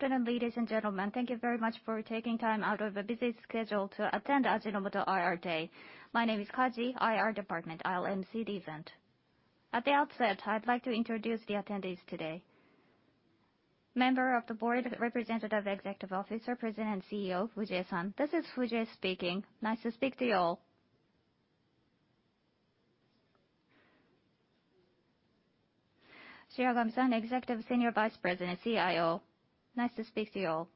Good afternoon, ladies and gentlemen. Thank you very much for taking time out of a busy schedule to attend Ajinomoto IR Day. My name is Kaji, IR department. I will emcee the event. At the outset, I would like to introduce the attendees today. Member of the Board, Representative Executive Officer, President and CEO, Fujie-san. This is Fujie speaking. Nice to speak to you all. Shiragami-san, Representative Executive Officer, Executive Vice President, CIO. Nice to speak to you all.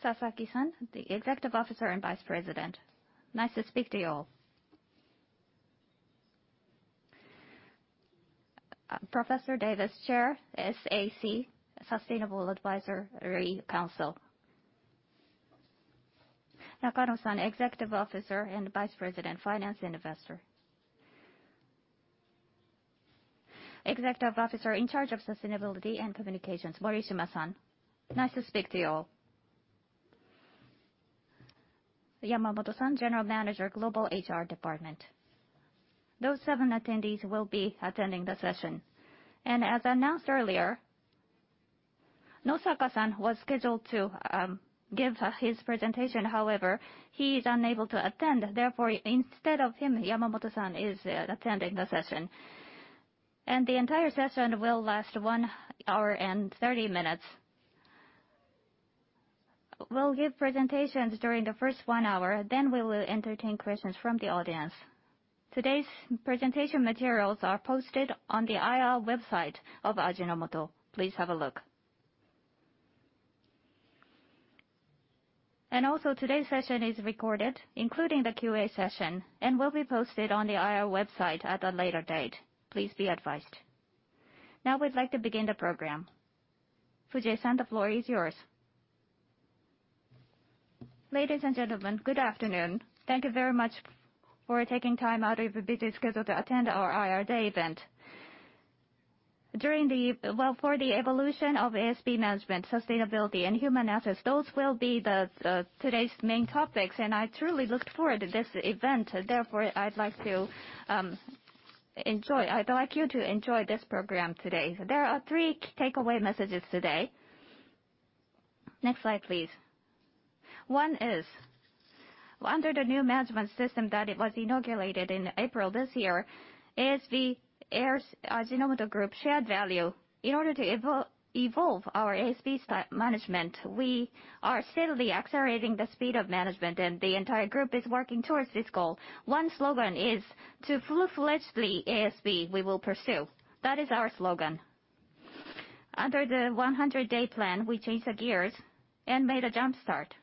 Sasaki-san, Executive Officer and Vice President. Nice to speak to you all. Professor Davis, Chair, SAC, Sustainability Advisory Council. Nakano-san, Executive Officer and Vice President, Finance and Investor Relations. Executive Officer in charge of Sustainability and Communications, Morishima-san. Nice to speak to you all. Yamamoto-san, General Manager, Global HR Department. Those seven attendees will be attending the session. As announced earlier, Nosaka-san was scheduled to give his presentation, however, he is unable to attend. Therefore, instead of him, Yamamoto-san is attending the session. The entire session will last one hour and 30 minutes. We will give presentations during the first one hour, then we will entertain questions from the audience. Today's presentation materials are posted on the IR website of Ajinomoto. Please have a look. Also, today's session is recorded, including the Q&A session, and will be posted on the IR website at a later date. Please be advised. Now we would like to begin the program. Fujie-san, the floor is yours. Ladies and gentlemen, good afternoon. Thank you very much for taking time out of your busy schedule to attend our IR Day event. For the evolution of ASV management, sustainability, and human assets, those will be today's main topics. I truly look forward to this event. Therefore, I would like you to enjoy this program today. There are three takeaway messages today. Next slide, please. One is, under the new management system that was inaugurated in April this year, ASV, Ajinomoto Group Shared Value. In order to evolve our ASV management, we are steadily accelerating the speed of management, and the entire group is working towards this goal. One slogan is to full-fledgedly ASV, we will pursue. That is our slogan. Under the 100-day plan, we changed the gears and made a jump start.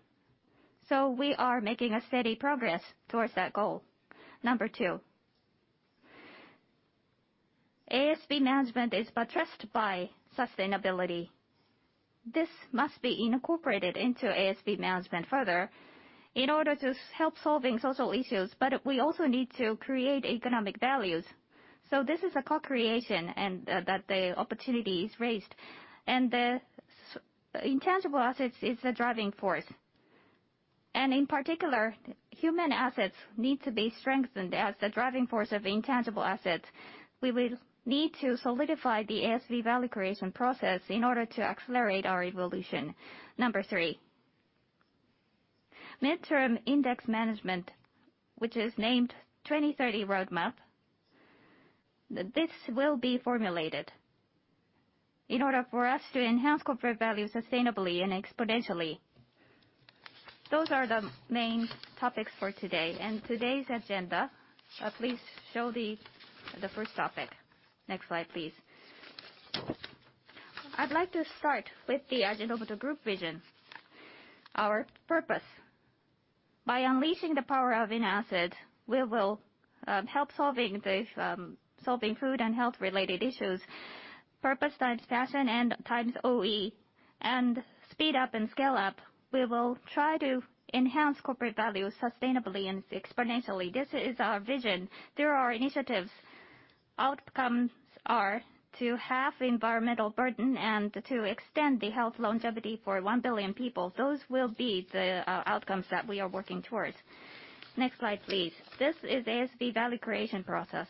We are making a steady progress towards that goal. Number 2. ASV management is buttressed by sustainability. This must be incorporated into ASV management further in order to help solving social issues. We also need to create economic values. This is a co-creation and the opportunity is raised. The intangible assets is the driving force. In particular, human assets need to be strengthened as the driving force of intangible assets. We will need to solidify the ASV value creation process in order to accelerate our evolution. Number 3. Midterm index management, which is named 2030 Roadmap. This will be formulated in order for us to enhance corporate value sustainably and exponentially. Those are the main topics for today. Today's agenda, please show the first topic. Next slide, please. I would like to start with the Ajinomoto Group vision, our purpose. By unleashing the power of AminoScience, we will help solving food and health-related issues. Purpose times passion times OE, speed up and scale up. We will try to enhance corporate value sustainably and exponentially. This is our vision. There are initiatives. Outcomes are to halve environmental burden and to extend the health longevity for 1 billion people. Those will be the outcomes that we are working towards. Next slide, please. This is ASV value creation process.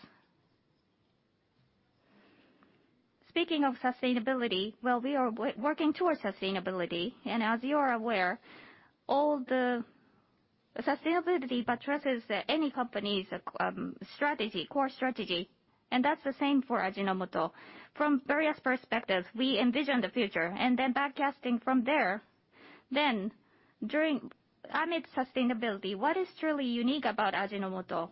Speaking of sustainability, we are working towards sustainability. As you are aware, all the sustainability buttresses any company's core strategy, that's the same for Ajinomoto. From various perspectives, we envision the future, backcasting from there. Amid sustainability, what is truly unique about Ajinomoto?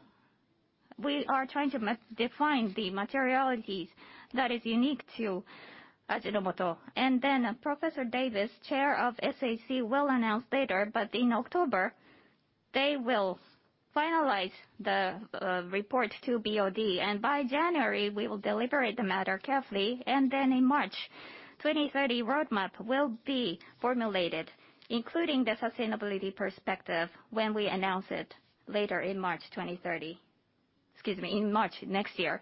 We are trying to define the materialities that is unique to Ajinomoto. Scott Davis, chair of SAC, will announce later. In October, they will finalize the report to BOD. By January, we will deliberate the matter carefully. In March, 2030 Roadmap will be formulated, including the sustainability perspective when we announce it later in March 2030. Excuse me, in March next year.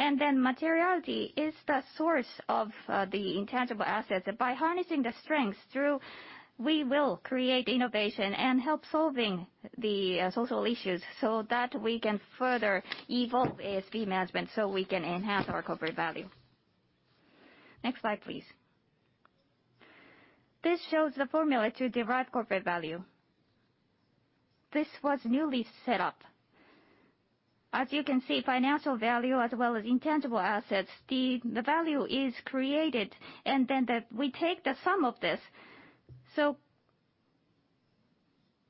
Materiality is the source of the intangible assets. By harnessing the strengths through, we will create innovation and help solving the social issues so that we can further evolve ASV management so we can enhance our corporate value. Next slide, please. This shows the formula to derive corporate value. This was newly set up. As you can see, financial value as well as intangible assets, the value is created, we take the sum of this.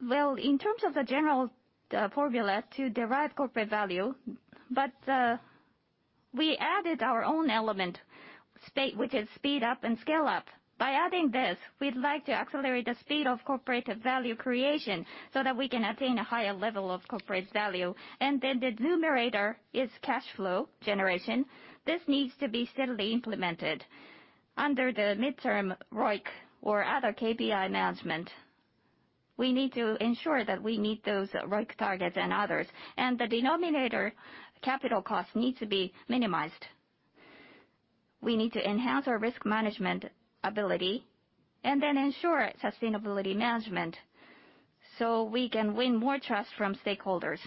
In terms of the general formula to derive corporate value, we added our own element, which is speed up and scale up. By adding this, we'd like to accelerate the speed of corporate value creation so that we can attain a higher level of corporate value. The numerator is cash flow generation. This needs to be steadily implemented. Under the midterm ROIC or other KPI management, we need to ensure that we meet those ROIC targets and others. The denominator, capital costs, needs to be minimized. We need to enhance our risk management ability, ensure sustainability management so we can win more trust from stakeholders.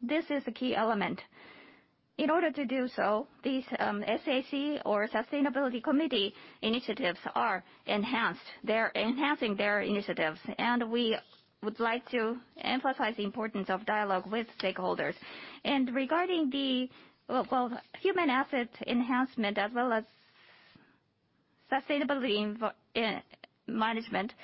This is a key element. In order to do so, these SAC or Sustainability Committee initiatives are enhanced. They're enhancing their initiatives, we would like to emphasize the importance of dialogue with stakeholders. Regarding the human asset enhancement as well as sustainability management,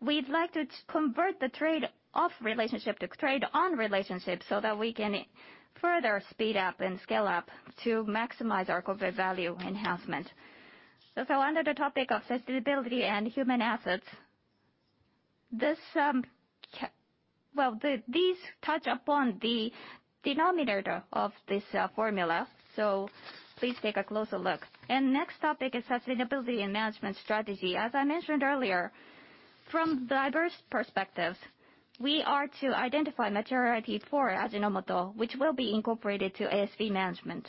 we'd like to convert the trade-off relationship to trade-on relationship so that we can further speed up and scale up to maximize our corporate value enhancement. Under the topic of sustainability and human assets, these touch upon the denominator of this formula. Please take a closer look. Next topic is sustainability and management strategy. As I mentioned earlier, from diverse perspectives, we are to identify materiality for Ajinomoto, which will be incorporated to ASV management.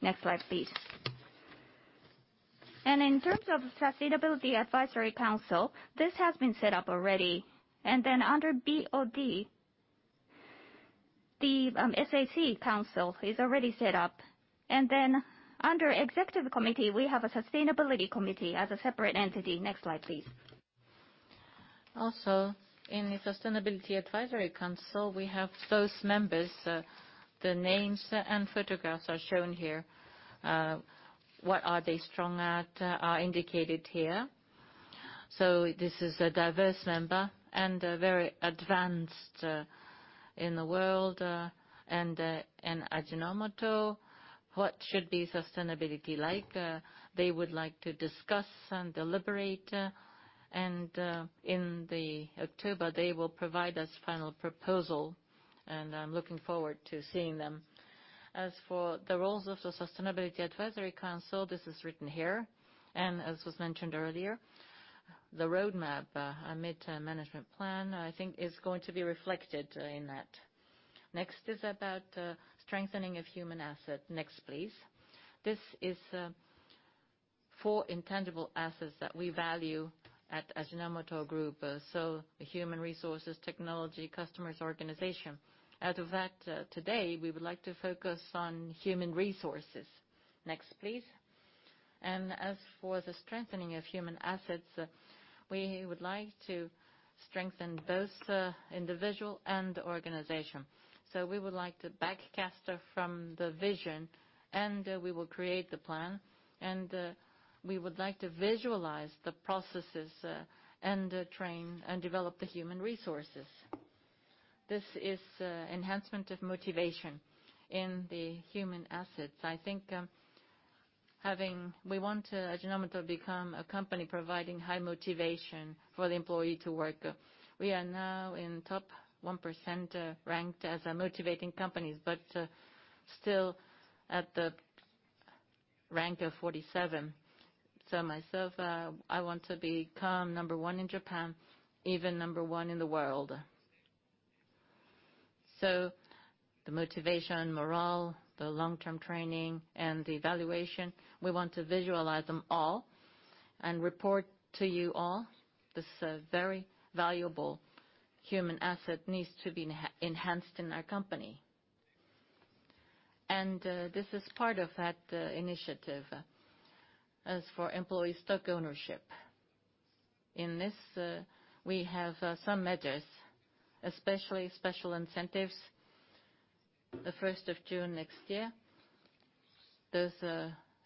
Next slide, please. In terms of Sustainability Advisory Council, this has been set up already. Under BOD, the SAC council is already set up. Under executive committee, we have a Sustainability Committee as a separate entity. Next slide, please. In the Sustainability Advisory Council, we have those members. The names and photographs are shown here. What are they strong at are indicated here. This is a diverse member and very advanced in the world and in Ajinomoto. What should be sustainability like? They would like to discuss and deliberate. In October, they will provide us final proposal, and I am looking forward to seeing them. As for the roles of the Sustainability Advisory Council, this is written here. As was mentioned earlier, the Roadmap, a medium-term management plan, I think is going to be reflected in that. Next is about strengthening of human asset. Next, please. This is four intangible assets that we value at Ajinomoto Group. Human resources, technology, customers, organization. Out of that, today, we would like to focus on human resources. Next, please. As for the strengthening of human assets, we would like to strengthen both the individual and the organization. We would like to backcast from the vision, and we will create the plan. We would like to visualize the processes and train and develop the human resources. This is enhancement of motivation in the human assets. I think we want Ajinomoto to become a company providing high motivation for the employee to work. We are now in top 1% ranked as a motivating company, but still at the rank of 47. Myself, I want to become number one in Japan, even number one in the world. The motivation, morale, the long-term training, and the evaluation, we want to visualize them all and report to you all. This very valuable human asset needs to be enhanced in our company. This is part of that initiative. As for employee stock ownership, in this, we have some measures, especially special incentives. The 1st of June next year, those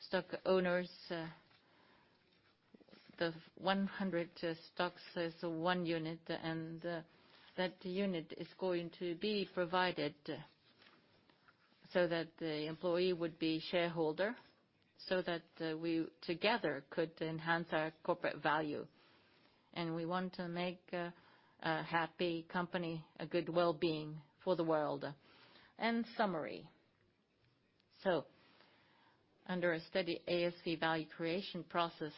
stock owners, the 100 stocks is one unit, and that unit is going to be provided so that the employee would be shareholder, so that we together could enhance our corporate value. We want to make a happy company, a good wellbeing for the world. Summary. Under a steady ASV value creation process,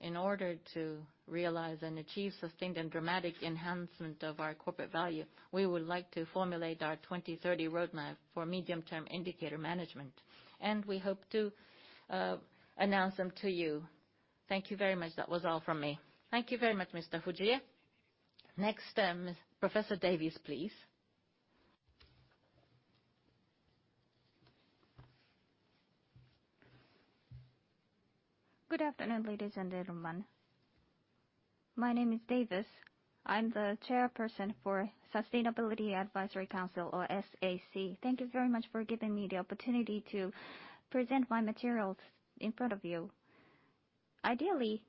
in order to realize and achieve sustained and dramatic enhancement of our corporate value, we would like to formulate our 2030 Roadmap for medium-term indicator management, and we hope to announce them to you. Thank you very much. That was all from me. Thank you very much, Mr. Fujii. Next, Professor Davis, please. Good afternoon, ladies and gentlemen. My name is Davis. I'm the chairperson for Sustainability Advisory Council or SAC. Thank you very much for giving me the opportunity to present my materials in front of you. Ideally,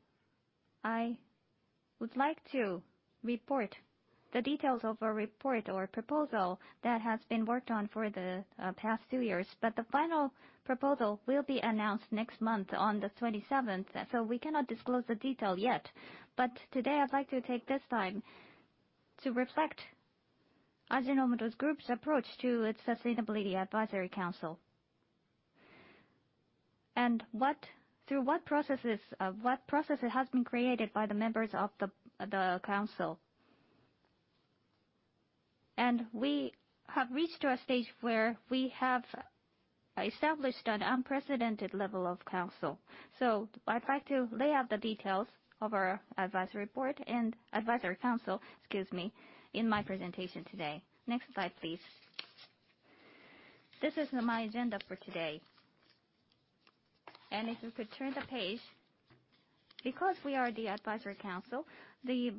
I would like to report the details of a report or proposal that has been worked on for the past two years. The final proposal will be announced next month on the 27th, so we cannot disclose the detail yet. Today, I'd like to take this time to reflect Ajinomoto Group's approach to its Sustainability Advisory Council, and what processes have been created by the members of the council. We have reached to a stage where we have established an unprecedented level of council. I'd like to lay out the details of our advisory board and advisory council, excuse me, in my presentation today. Next slide, please. This is my agenda for today. If you could turn the page. We are the Sustainability Advisory Council, the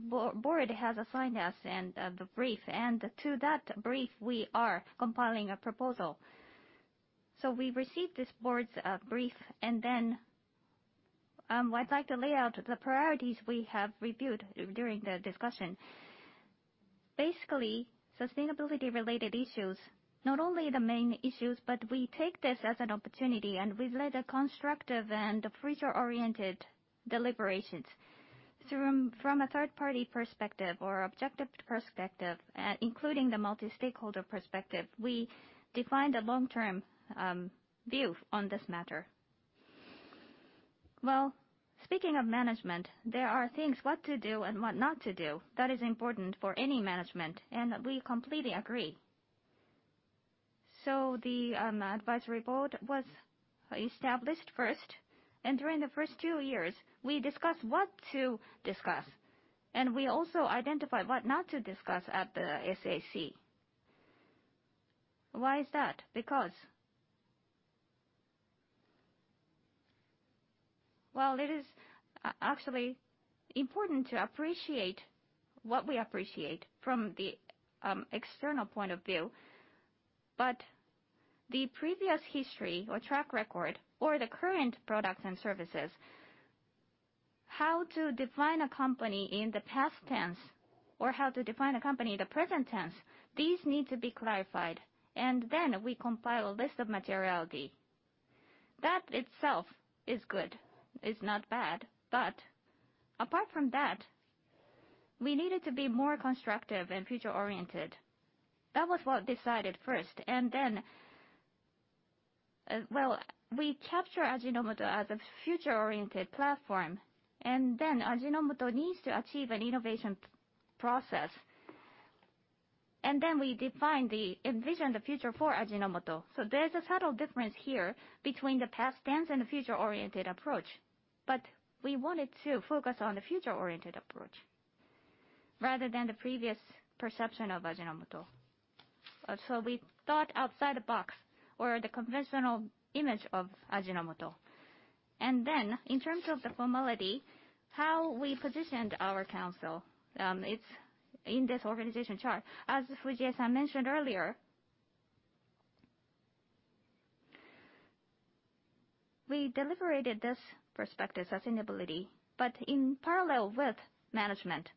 board has assigned us the brief, and to that brief, we are compiling a proposal. We received this board's brief, I'd like to lay out the priorities we have reviewed during the discussion. Basically, sustainability-related issues, not only the main issues, but we take this as an opportunity and we've led a constructive and future-oriented deliberations. From a third-party perspective or objective perspective, including the multi-stakeholder perspective, we defined a long-term view on this matter. Speaking of management, there are things what to do and what not to do that is important for any management, and we completely agree. The advisory board was established first, during the first two years, we discussed what to discuss, we also identified what not to discuss at the SAC. Why is that? It is actually important to appreciate what we appreciate from the external point of view. The previous history or track record or the current products and services, how to define a company in the past tense or how to define a company in the present tense, these need to be clarified. We compile a list of materiality. That itself is good. It's not bad. Apart from that, we needed to be more constructive and future-oriented. That was what decided first. We capture Ajinomoto as a future-oriented platform, Ajinomoto needs to achieve an innovation process. We define the envisioned future for Ajinomoto. There's a subtle difference here between the past tense and the future-oriented approach. We wanted to focus on the future-oriented approach rather than the previous perception of Ajinomoto. We thought outside the box or the conventional image of Ajinomoto. In terms of the formality, how we positioned our council, it's in this organization chart. As Fujii-san mentioned earlier, we deliberated this perspective, sustainability, but in parallel with management.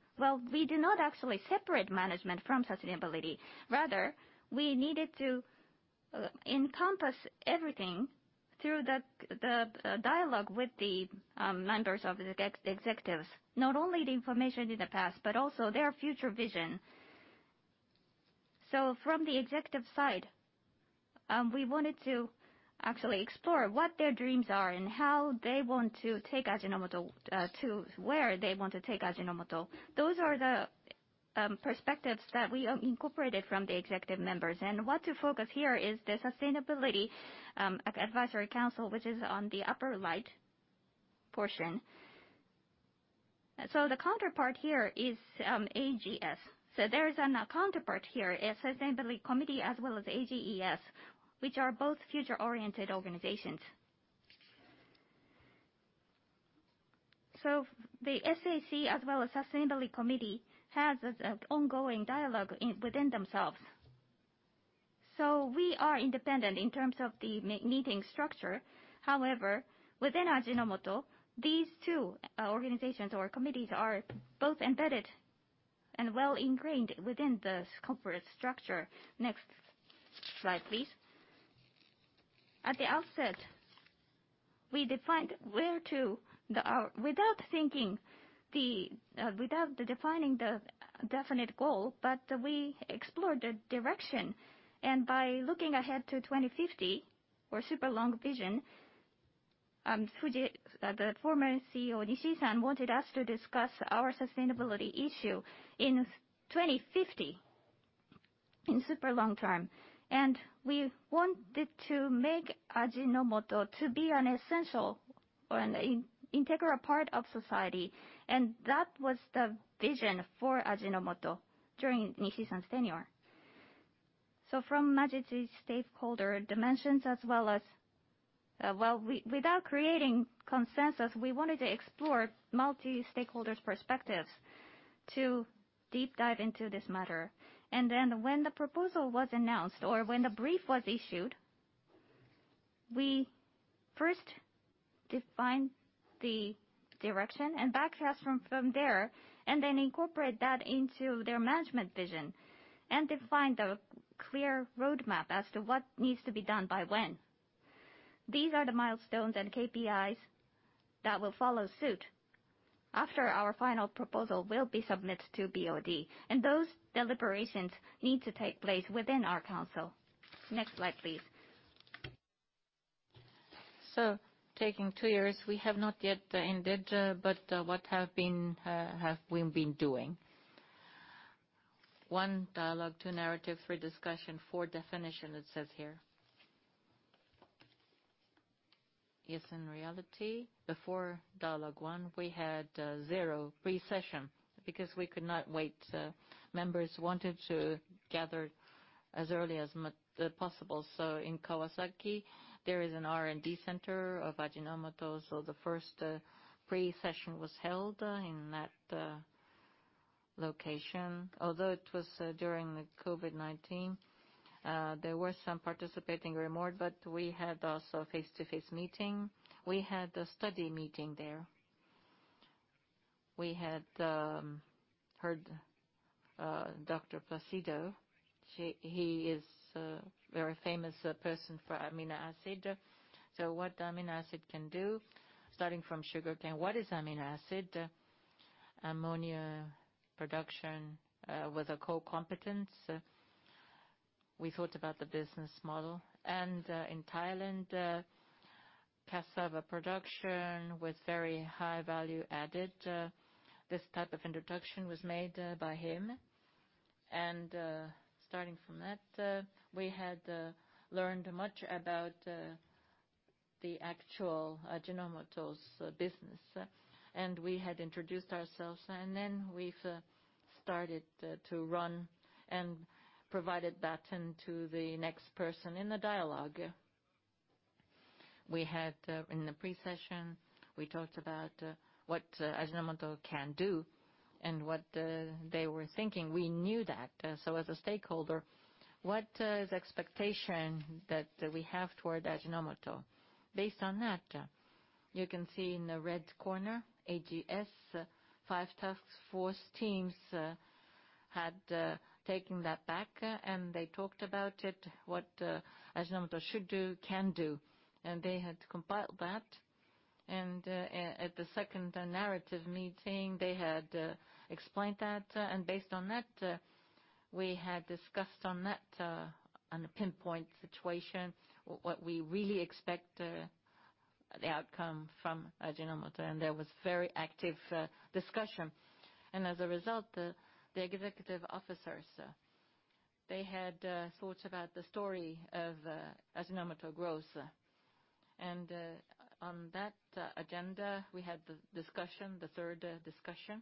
We do not actually separate management from sustainability. Rather, we needed to encompass everything through the dialogue with the members of the executives, not only the information in the past, but also their future vision. From the executive side, we wanted to actually explore what their dreams are and how they want to take Ajinomoto to where they want to take Ajinomoto. Those are the perspectives that we incorporated from the executive members. What to focus here is the Sustainability Advisory Council, which is on the upper right portion. The counterpart here is AGS. There is a counterpart here, Sustainability Committee, as well as AGES, which are both future-oriented organizations. The SAC as well as Sustainability Committee has an ongoing dialogue within themselves. We are independent in terms of the meeting structure. However, within Ajinomoto, these two organizations or committees are both embedded and well ingrained within the corporate structure. Next slide, please. At the outset, we defined where to Without defining the definite goal, but we explored the direction. By looking ahead to 2050 or super long vision, the former CEO, Nishii-san, wanted us to discuss our sustainability issue in 2050. We wanted to make Ajinomoto to be an essential or an integral part of society, and that was the vision for Ajinomoto during Nishi-san's tenure. From multi-stakeholder dimensions as well as, without creating consensus, we wanted to explore multi-stakeholders' perspectives to deep dive into this matter. When the proposal was announced, or when the brief was issued, we first defined the direction and backtest from there, then incorporate that into their management vision and define the clear roadmap as to what needs to be done by when. These are the milestones and KPIs that will follow suit after our final proposal will be submitted to BOD, and those deliberations need to take place within our council. Next slide, please. Taking 2 years, we have not yet ended, but what have we been doing? One, dialogue. Two, narrative. Three, discussion. Four, definition it says here. Yes, in reality, before dialogue one, we had zero pre-session because we could not wait. Members wanted to gather as early as possible. In Kawasaki, there is an R&D center of Ajinomoto. The first pre-session was held in that location. Although it was during the COVID-19, there were some participating remote, but we had also face-to-face meeting. We had a study meeting there. We had heard Dr. Placido. He is a very famous person for amino acid. What amino acid can do, starting from sugarcane. What is amino acid? Ammonia production with a co-competence. We thought about the business model. In Thailand, cassava production with very high value added. This type of introduction was made by him. Starting from that, we had learned much about the actual Ajinomoto's business. We had introduced ourselves, then we've started to run and provided baton to the next person in the dialogue. We had in the pre-session, we talked about what Ajinomoto can do and what they were thinking. We knew that. As a stakeholder, what is expectation that we have toward Ajinomoto? Based on that, you can see in the red corner, AGS, five task force teams had taken that back, they talked about it, what Ajinomoto should do, can do. They had compiled that. At the second narrative meeting, they had explained that. Based on that, we had discussed on that, on a pinpoint situation, what we really expect the outcome from Ajinomoto. There was very active discussion. As a result, the executive officers, they had thought about the story of Ajinomoto growth. On that agenda, we had the third discussion.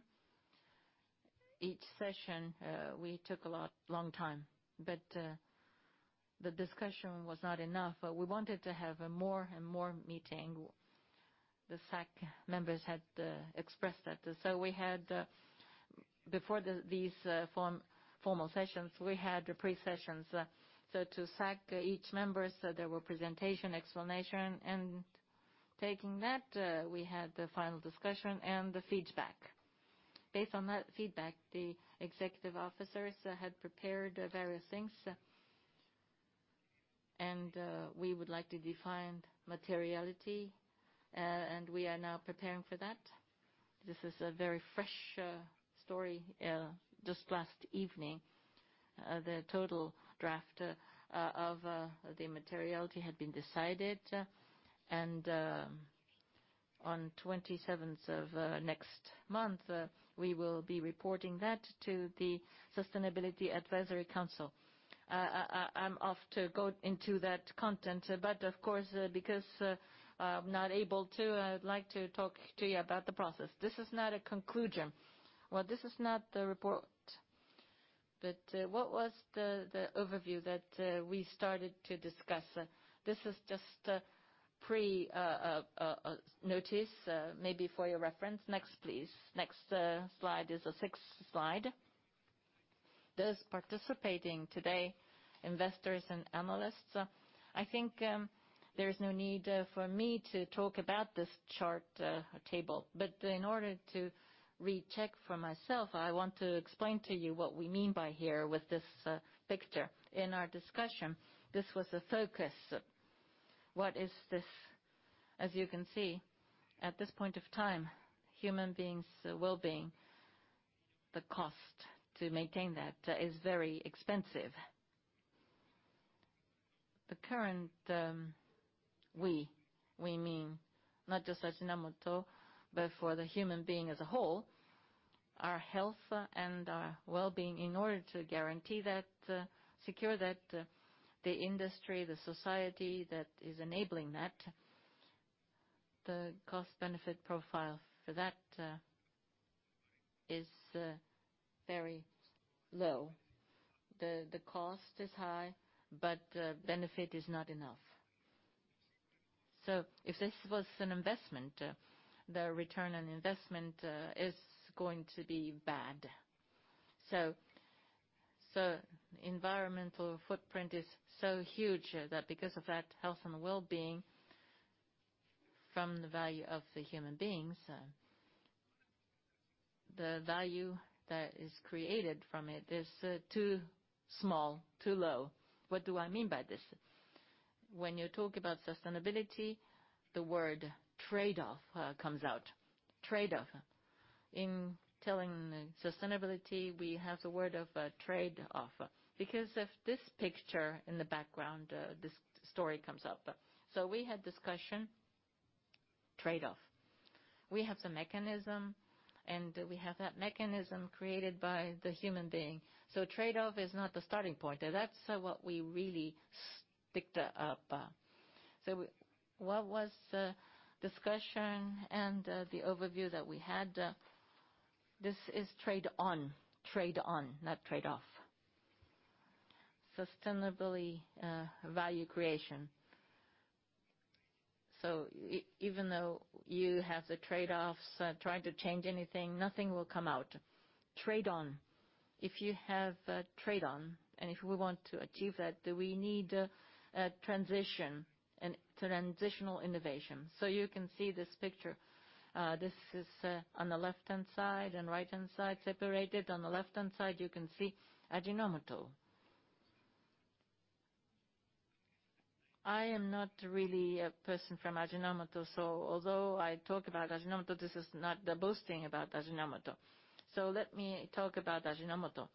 Each session, we took a long time. The discussion was not enough. We wanted to have more and more meeting. The SAC members had expressed that. Before these formal sessions, we had pre-sessions. To SAC, each member, there were presentation, explanation, and taking that, we had the final discussion and the feedback. Based on that feedback, the executive officers had prepared various things. We would like to define materiality, we are now preparing for that. This is a very fresh story. Just last evening, the total draft of the materiality had been decided. On 27th of next month, we will be reporting that to the Sustainability Advisory Council. I'm off to go into that content. I'd like to talk to you about the process. This is not a conclusion. This is not the report. What was the overview that we started to discuss? This is just a pre-notice, maybe for your reference. Next, please. Next slide is the sixth slide. Those participating today, investors and analysts. I think there's no need for me to talk about this chart table. In order to recheck for myself, I want to explain to you what we mean by here with this picture. In our discussion, this was the focus. What is this? As you can see, at this point of time, human beings' well-being, the cost to maintain that is very expensive. The current we mean not just as Ajinomoto, but for the human being as a whole, our health and our well-being. In order to guarantee that, secure that, the industry, the society that is enabling that, the cost-benefit profile for that is very low. The cost is high, but the benefit is not enough. If this was an investment, the return on investment is going to be bad. The environmental footprint is so huge that because of that health and well-being from the value of the human beings, the value that is created from it is too small, too low. What do I mean by this? When you talk about sustainability, the word trade-off comes out. Trade-off. In telling sustainability, we have the word of trade-off. Because of this picture in the background, this story comes up. We had discussion. Trade-off. We have the mechanism, and we have that mechanism created by the human being. Trade-off is not the starting point. That's what we really picked up. What was the discussion and the overview that we had? This is trade-on. Trade-on, not trade-off. Sustainable value creation. Even though you have the trade-offs, trying to change anything, nothing will come out. Trade-on. If you have trade-on, and if we want to achieve that, we need transition and transitional innovation. You can see this picture. This is on the left-hand side and right-hand side, separated. On the left-hand side, you can see Ajinomoto. I am not really a person from Ajinomoto, so although I talk about Ajinomoto, this is not boasting about Ajinomoto. Let me talk about Ajinomoto.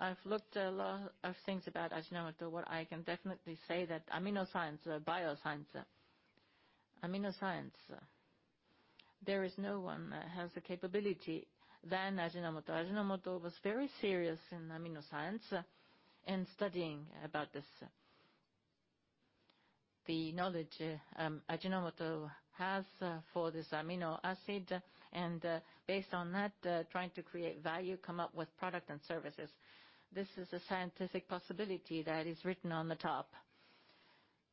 I've looked at a lot of things about Ajinomoto. What I can definitely say that AminoScience, bio-science. AminoScience. There is no one that has the capability other than Ajinomoto. Ajinomoto was very serious in AminoScience and studying about this. The knowledge Ajinomoto has for this amino acid, and based on that, trying to create value, come up with product and services. This is a scientific possibility that is written on the top.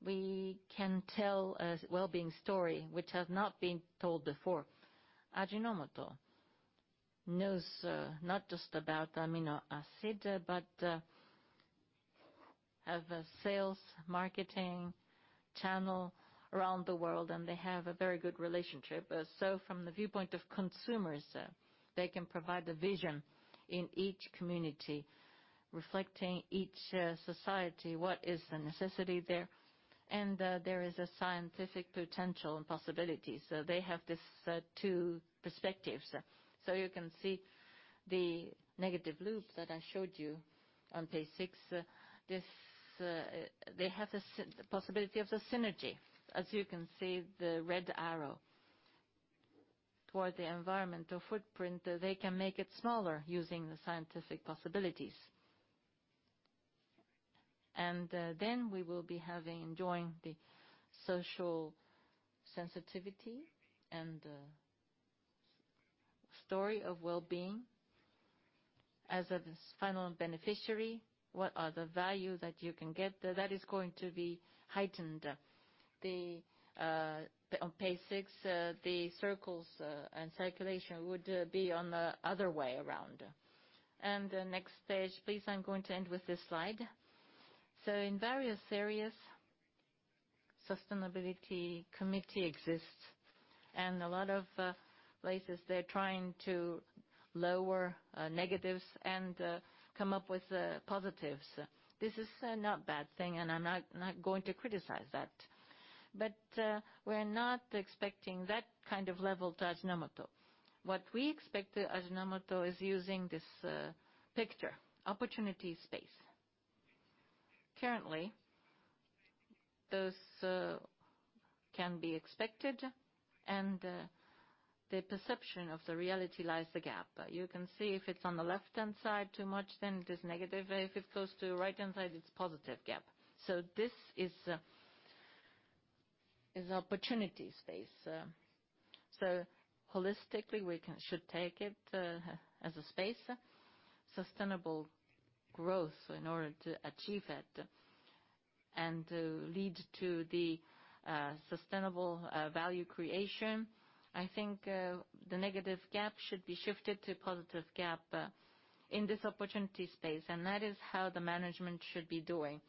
We can tell a well-being story which has not been told before. Ajinomoto knows not just about amino acid, but have a sales marketing channel around the world, and they have a very good relationship. From the viewpoint of consumers, they can provide the vision in each community, reflecting each society, what is the necessity there. There is a scientific potential and possibility. They have these two perspectives. You can see the negative loop that I showed you on page six. They have the possibility of synergy. As you can see, the red arrow toward the environmental footprint, they can make it smaller using the scientific possibilities. Then we will be enjoying the social sensitivity and the story of wellbeing as of the final beneficiary. What are the value that you can get? That is going to be heightened. On page six, the circles and circulation would be on the other way around. The next page, please. I'm going to end with this slide. In various areas, Sustainability Committee exists. A lot of places, they're trying to lower negatives and come up with positives. This is not bad thing, and I'm not going to criticize that. We're not expecting that kind of level to Ajinomoto. What we expect Ajinomoto is using this picture, opportunity space. Currently, those can be expected, and the perception of the reality lies the gap. You can see if it's on the left-hand side too much, then it is negative. If it goes to right-hand side, it's positive gap. This is opportunity space. Holistically, we should take it as a space. Sustainable growth in order to achieve it and to lead to the sustainable value creation. I think the negative gap should be shifted to positive gap in this opportunity space, and that is how the management should be doing.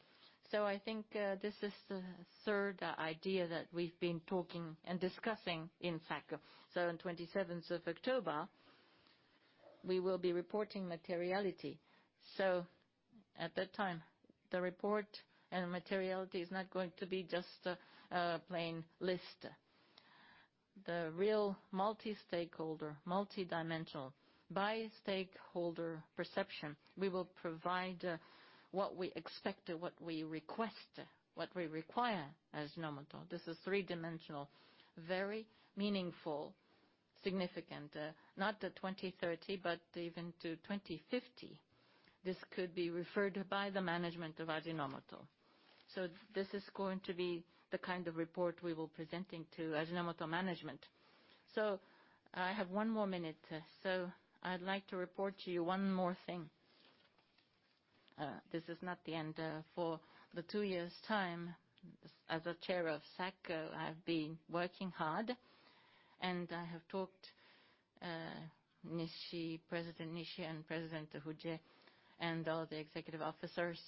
I think this is the third idea that we've been talking and discussing in fact. On 27th of October, we will be reporting materiality. At that time, the report and materiality is not going to be just a plain list. The real multi-stakeholder, multidimensional, by stakeholder perception, we will provide what we expect, what we request, what we require as Ajinomoto. This is three-dimensional, very meaningful, significant, not to 2030, but even to 2050. This could be referred by the management of Ajinomoto. This is going to be the kind of report we will be presenting to Ajinomoto management. I have one more minute. I'd like to report to you one more thing. This is not the end. For the two years' time as a chair of SAC, I've been working hard, I have talked, Nishii, President Nishii and President Fujie, all the executive officers,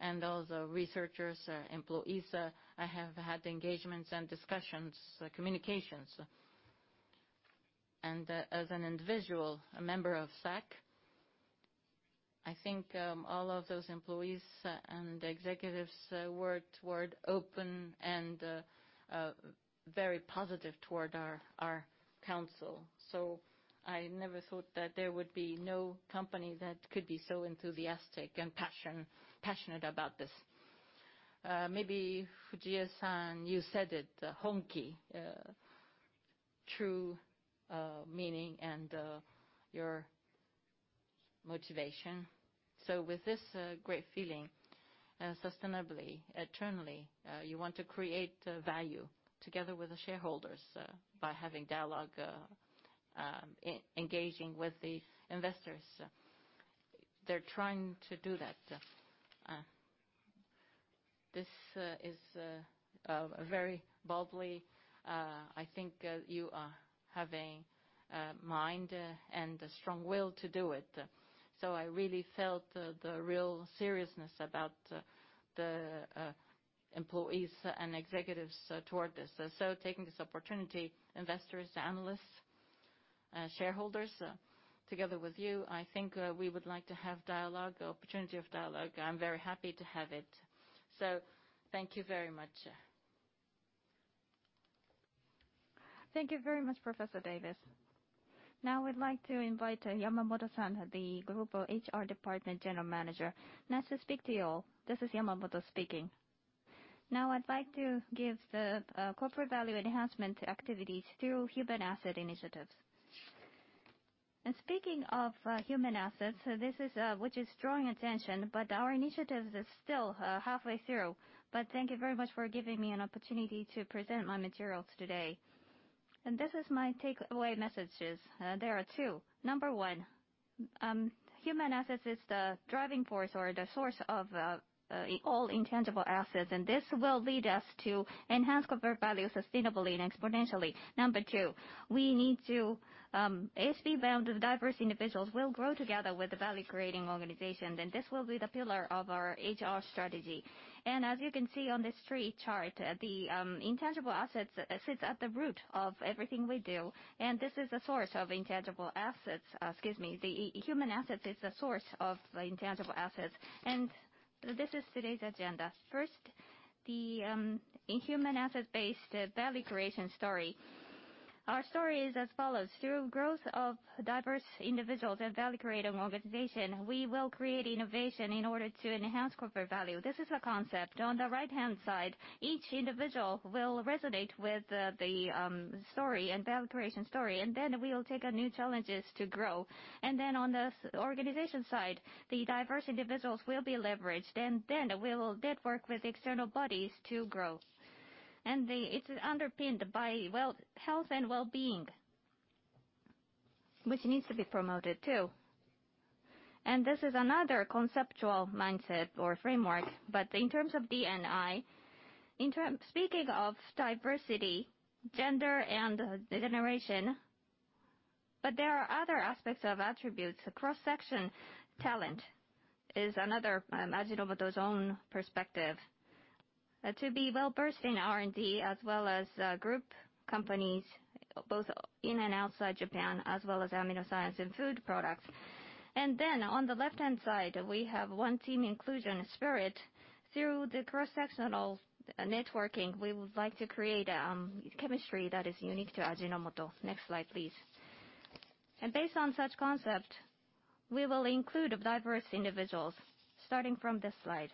all the researchers, employees. I have had engagements and discussions, communications. As an individual, a member of SAC, I think all of those employees and executives were toward open and very positive toward our council. I never thought that there would be no company that could be so enthusiastic and passionate about this. Maybe Fujie-san, you said it, "honki," true meaning and your motivation. With this great feeling, sustainably, eternally, you want to create value together with the shareholders by having dialogue, engaging with the investors. They're trying to do that. This is very boldly, I think you are having mind and a strong will to do it. I really felt the real seriousness about the employees and executives toward this. Taking this opportunity, investors, analysts, shareholders, together with you, I think we would like to have dialogue, opportunity of dialogue. I'm very happy to have it. Thank you very much. Thank you very much, Professor Davis. Now I'd like to invite Yamamoto-san, the Group HR Department General Manager. Nice to speak to you all. This is Yamamoto speaking. Now I'd like to give the corporate value enhancement activities through human asset initiatives. Speaking of human assets, which is drawing attention, our initiatives are still halfway through. Thank you very much for giving me an opportunity to present my materials today. This is my takeaway messages. There are two. Number one, human assets is the driving force or the source of all intangible assets, and this will lead us to enhance corporate value sustainably and exponentially. Number two, we need to, each inbound of diverse individuals will grow together with the value-creating organization, and this will be the pillar of our HR strategy. As you can see on this tree chart, the intangible assets sits at the root of everything we do. This is the source of intangible assets. Excuse me, the human assets is the source of the intangible assets. This is today's agenda. First, the human asset-based value creation story. Our story is as follows. Through growth of diverse individuals and value-creating organization, we will create innovation in order to enhance corporate value. This is the concept. On the right-hand side, each individual will resonate with the story and value creation story, we'll take on new challenges to grow. On the organization side, the diverse individuals will be leveraged, we will network with external bodies to grow. It's underpinned by, well, health and well-being, which needs to be promoted, too. This is another conceptual mindset or framework. In terms of D&I, speaking of diversity, gender and generation, there are other aspects of attributes. Cross-section talent is another, Ajinomoto's own perspective. To be well-versed in R&D as well as group companies, both in and outside Japan, as well as AminoScience and food products. On the left-hand side, we have one team inclusion spirit. Through the cross-sectional networking, we would like to create a chemistry that is unique to Ajinomoto. Next slide, please. Based on such concept, we will include diverse individuals, starting from this slide.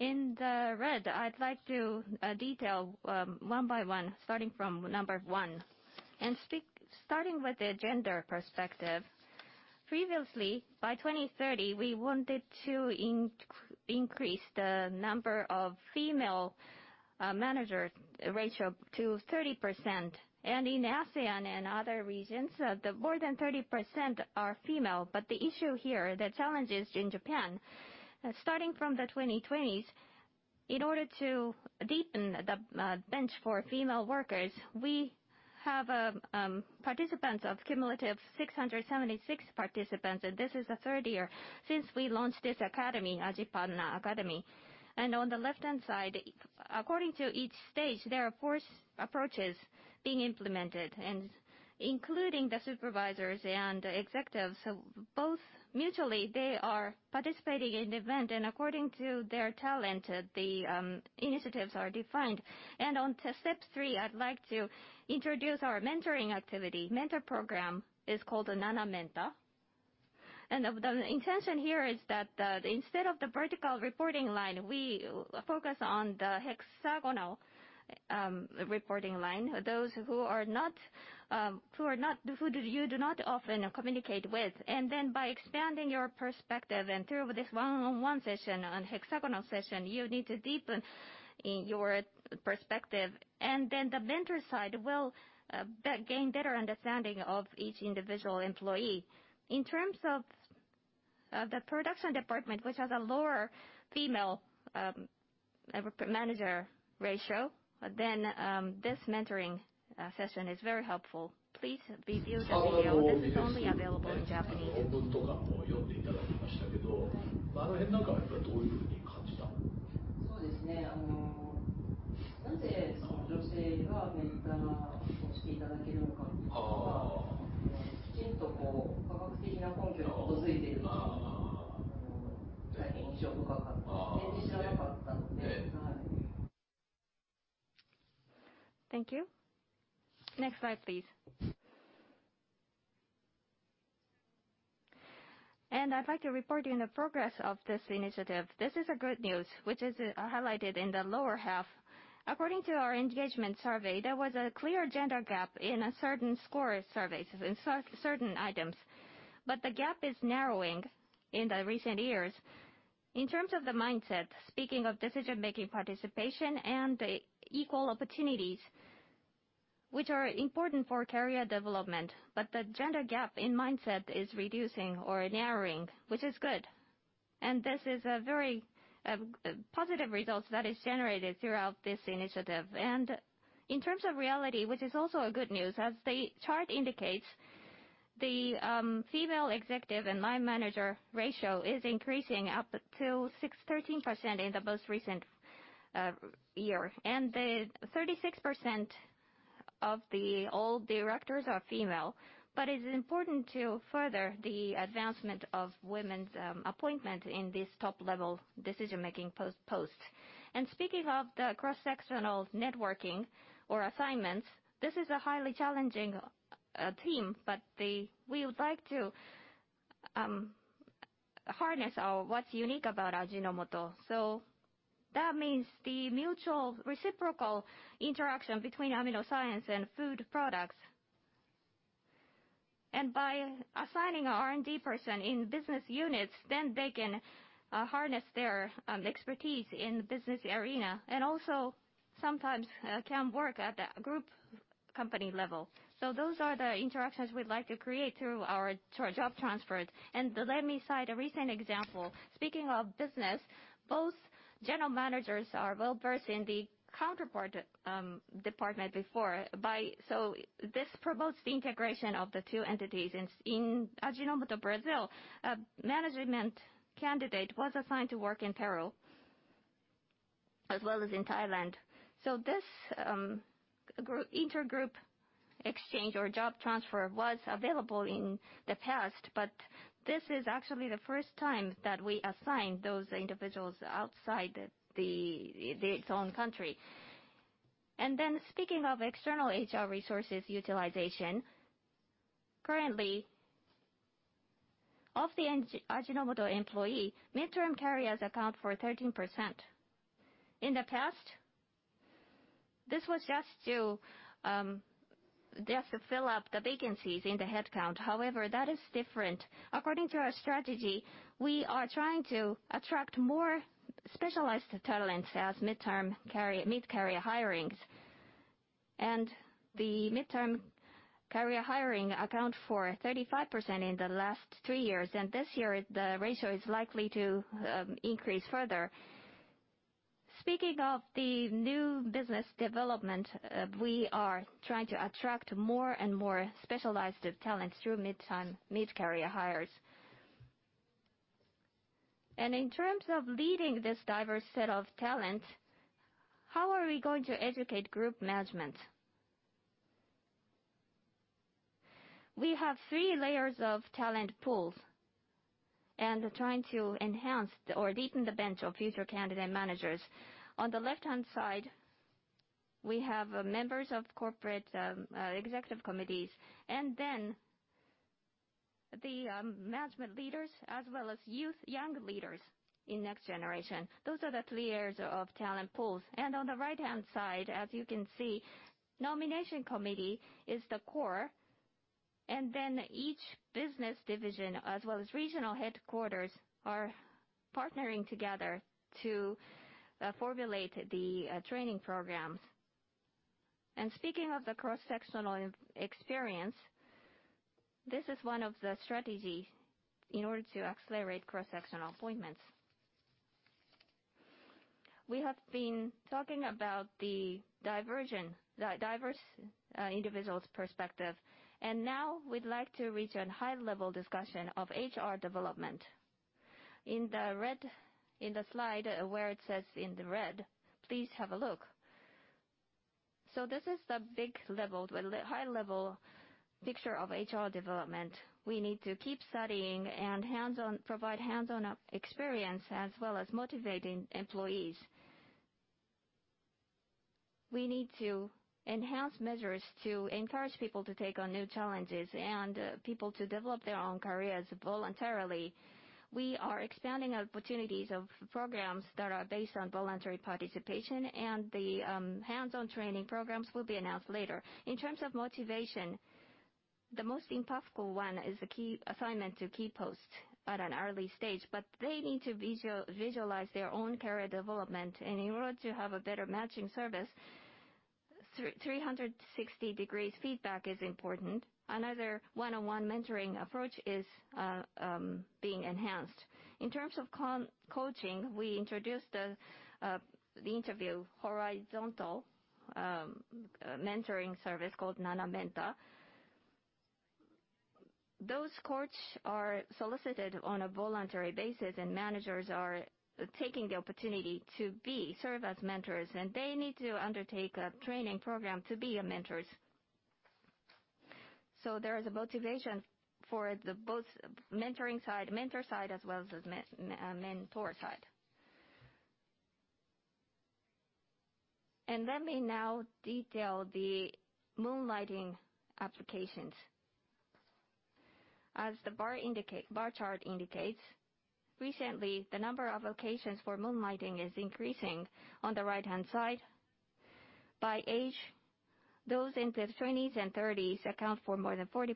In the red, I'd like to detail one by one, starting from number one. Starting with the gender perspective. Previously, by 2030, we wanted to increase the number of female managers ratio to 30%. In ASEAN and other regions, more than 30% are female. The issue here, the challenges in Japan, starting from the 2020s, in order to deepen the bench for female workers, we have participants of cumulative 676 participants, this is the third year since we launched this academy, Ajipana Academy. On the left-hand side, according to each stage, there are approaches being implemented, including the supervisors and executives, both mutually, they are participating in event and according to their talent, the initiatives are defined. On to step 3, I'd like to introduce our mentoring activity. Mentor program is called the Nana Mentor. The intention here is that instead of the vertical reporting line, we focus on the hexagonal reporting line. Those who you do not often communicate with. By expanding your perspective and through this one-on-one session, on hexagonal session, you need to deepen your perspective. The mentor side will gain better understanding of each individual employee. In terms of the production department which has a lower female manager ratio, this mentoring session is very helpful. Please view the video that is only available in Japanese. Thank you. Next slide, please. I'd like to report on the progress of this initiative. This is a good news, which is highlighted in the lower half. According to our engagement survey, there was a clear gender gap in certain score surveys, in certain items. The gap is narrowing in the recent years. In terms of the mindset, speaking of decision-making participation and the equal opportunities, which are important for career development, the gender gap in mindset is reducing or narrowing, which is good. This is a very positive result that is generated throughout this initiative. In terms of reality, which is also a good news, as the chart indicates, the female executive and line manager ratio is increasing up to 13% in the most recent year. 36% of the all directors are female, but it's important to further the advancement of women's appointment in this top-level decision-making post. Speaking of the cross-sectional networking or assignments, this is a highly challenging team, but we would like to harness what's unique about Ajinomoto. That means the mutual reciprocal interaction between AminoScience and food products. By assigning a R&D person in business units, they can harness their expertise in the business arena, also sometimes can work at a group company level. Those are the interactions we'd like to create through our job transfers. Let me cite a recent example. Speaking of business, both general managers are well-versed in the counterpart department before. This promotes the integration of the two entities. In Ajinomoto do Brasil, a management candidate was assigned to work in Peru as well as in Thailand. This intergroup exchange or job transfer was available in the past, but this is actually the first time that we assigned those individuals outside its own country. Speaking of external HR resources utilization, currently, of the Ajinomoto employee, mid-term careers account for 13%. In the past, this was just to fill up the vacancies in the headcount. However, that is different. According to our strategy, we are trying to attract more specialized talent as mid-career hirings. The mid-term career hiring account for 35% in the last 3 years. This year, the ratio is likely to increase further. Speaking of the new business development, we are trying to attract more and more specialized talent through mid-career hires. In terms of leading this diverse set of talent, how are we going to educate group management? We have 3 layers of talent pools, trying to enhance or deepen the bench of future candidate managers. On the left-hand side, we have members of corporate executive committees, the management leaders as well as youth young leaders in next generation. Those are the 3 layers of talent pools. On the right-hand side, as you can see, nomination committee is the core, each business division as well as regional headquarters are partnering together to formulate the training programs. Speaking of the cross-sectional experience, this is one of the strategies in order to accelerate cross-sectional appointments. We have been talking about the diverse individuals' perspective. Now we'd like to reach a high-level discussion of HR development. In the slide where it says in the red, please have a look. This is the big level, the high-level picture of HR development. We need to keep studying and provide hands-on experience, as well as motivating employees. We need to enhance measures to encourage people to take on new challenges and people to develop their own careers voluntarily. We are expanding opportunities of programs that are based on voluntary participation, and the hands-on training programs will be announced later. In terms of motivation, the most impactful one is the assignment to key posts at an early stage, but they need to visualize their own career development. In order to have a better matching service, 360-degree feedback is important. Another one-on-one mentoring approach is being enhanced. In terms of coaching, we introduced the interview horizontal mentoring service called Nana Mentor. Those coaches are solicited on a voluntary basis. Managers are taking the opportunity to serve as mentors, and they need to undertake a training program to be mentors. There is a motivation for both mentor side as well as the mentee side. Let me now detail the moonlighting applications. As the bar chart indicates, recently, the number of applications for moonlighting is increasing on the right-hand side. By age, those in their 20s and 30s account for more than 40%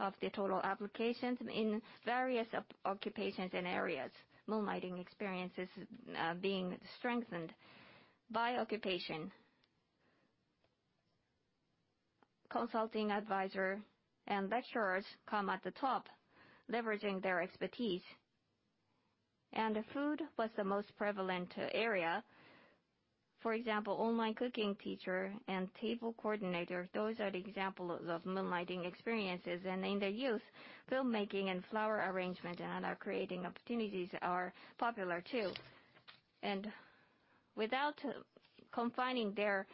of the total applications in various occupations and areas. Moonlighting experience is being strengthened. By occupation, consulting advisor and lecturers come at the top, leveraging their expertise. Food was the most prevalent area. For example, online cooking teacher and table coordinator, those are the examples of moonlighting experiences. In the youth, filmmaking and flower arrangement and other creative opportunities are popular too. Without confining their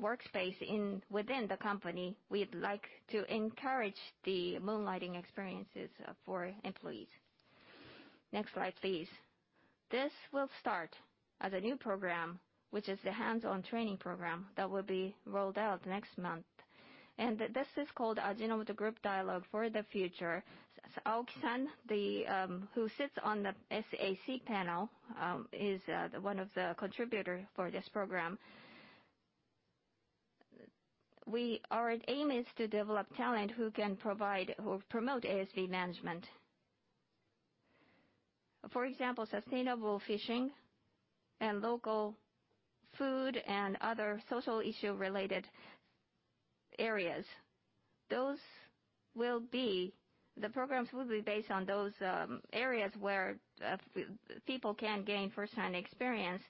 workspace within the company, we'd like to encourage the moonlighting experiences for employees. Next slide, please. This will start as a new program, which is the hands-on training program that will be rolled out next month. This is called Ajinomoto Group Dialogue for the Future. Aoki-san, who sits on the SAC panel, is one of the contributors for this program. Our aim is to develop talent who can provide or promote ASV management. For example, sustainable fishing and local food and other social issue-related areas. The programs will be based on those areas where people can gain first-hand experience.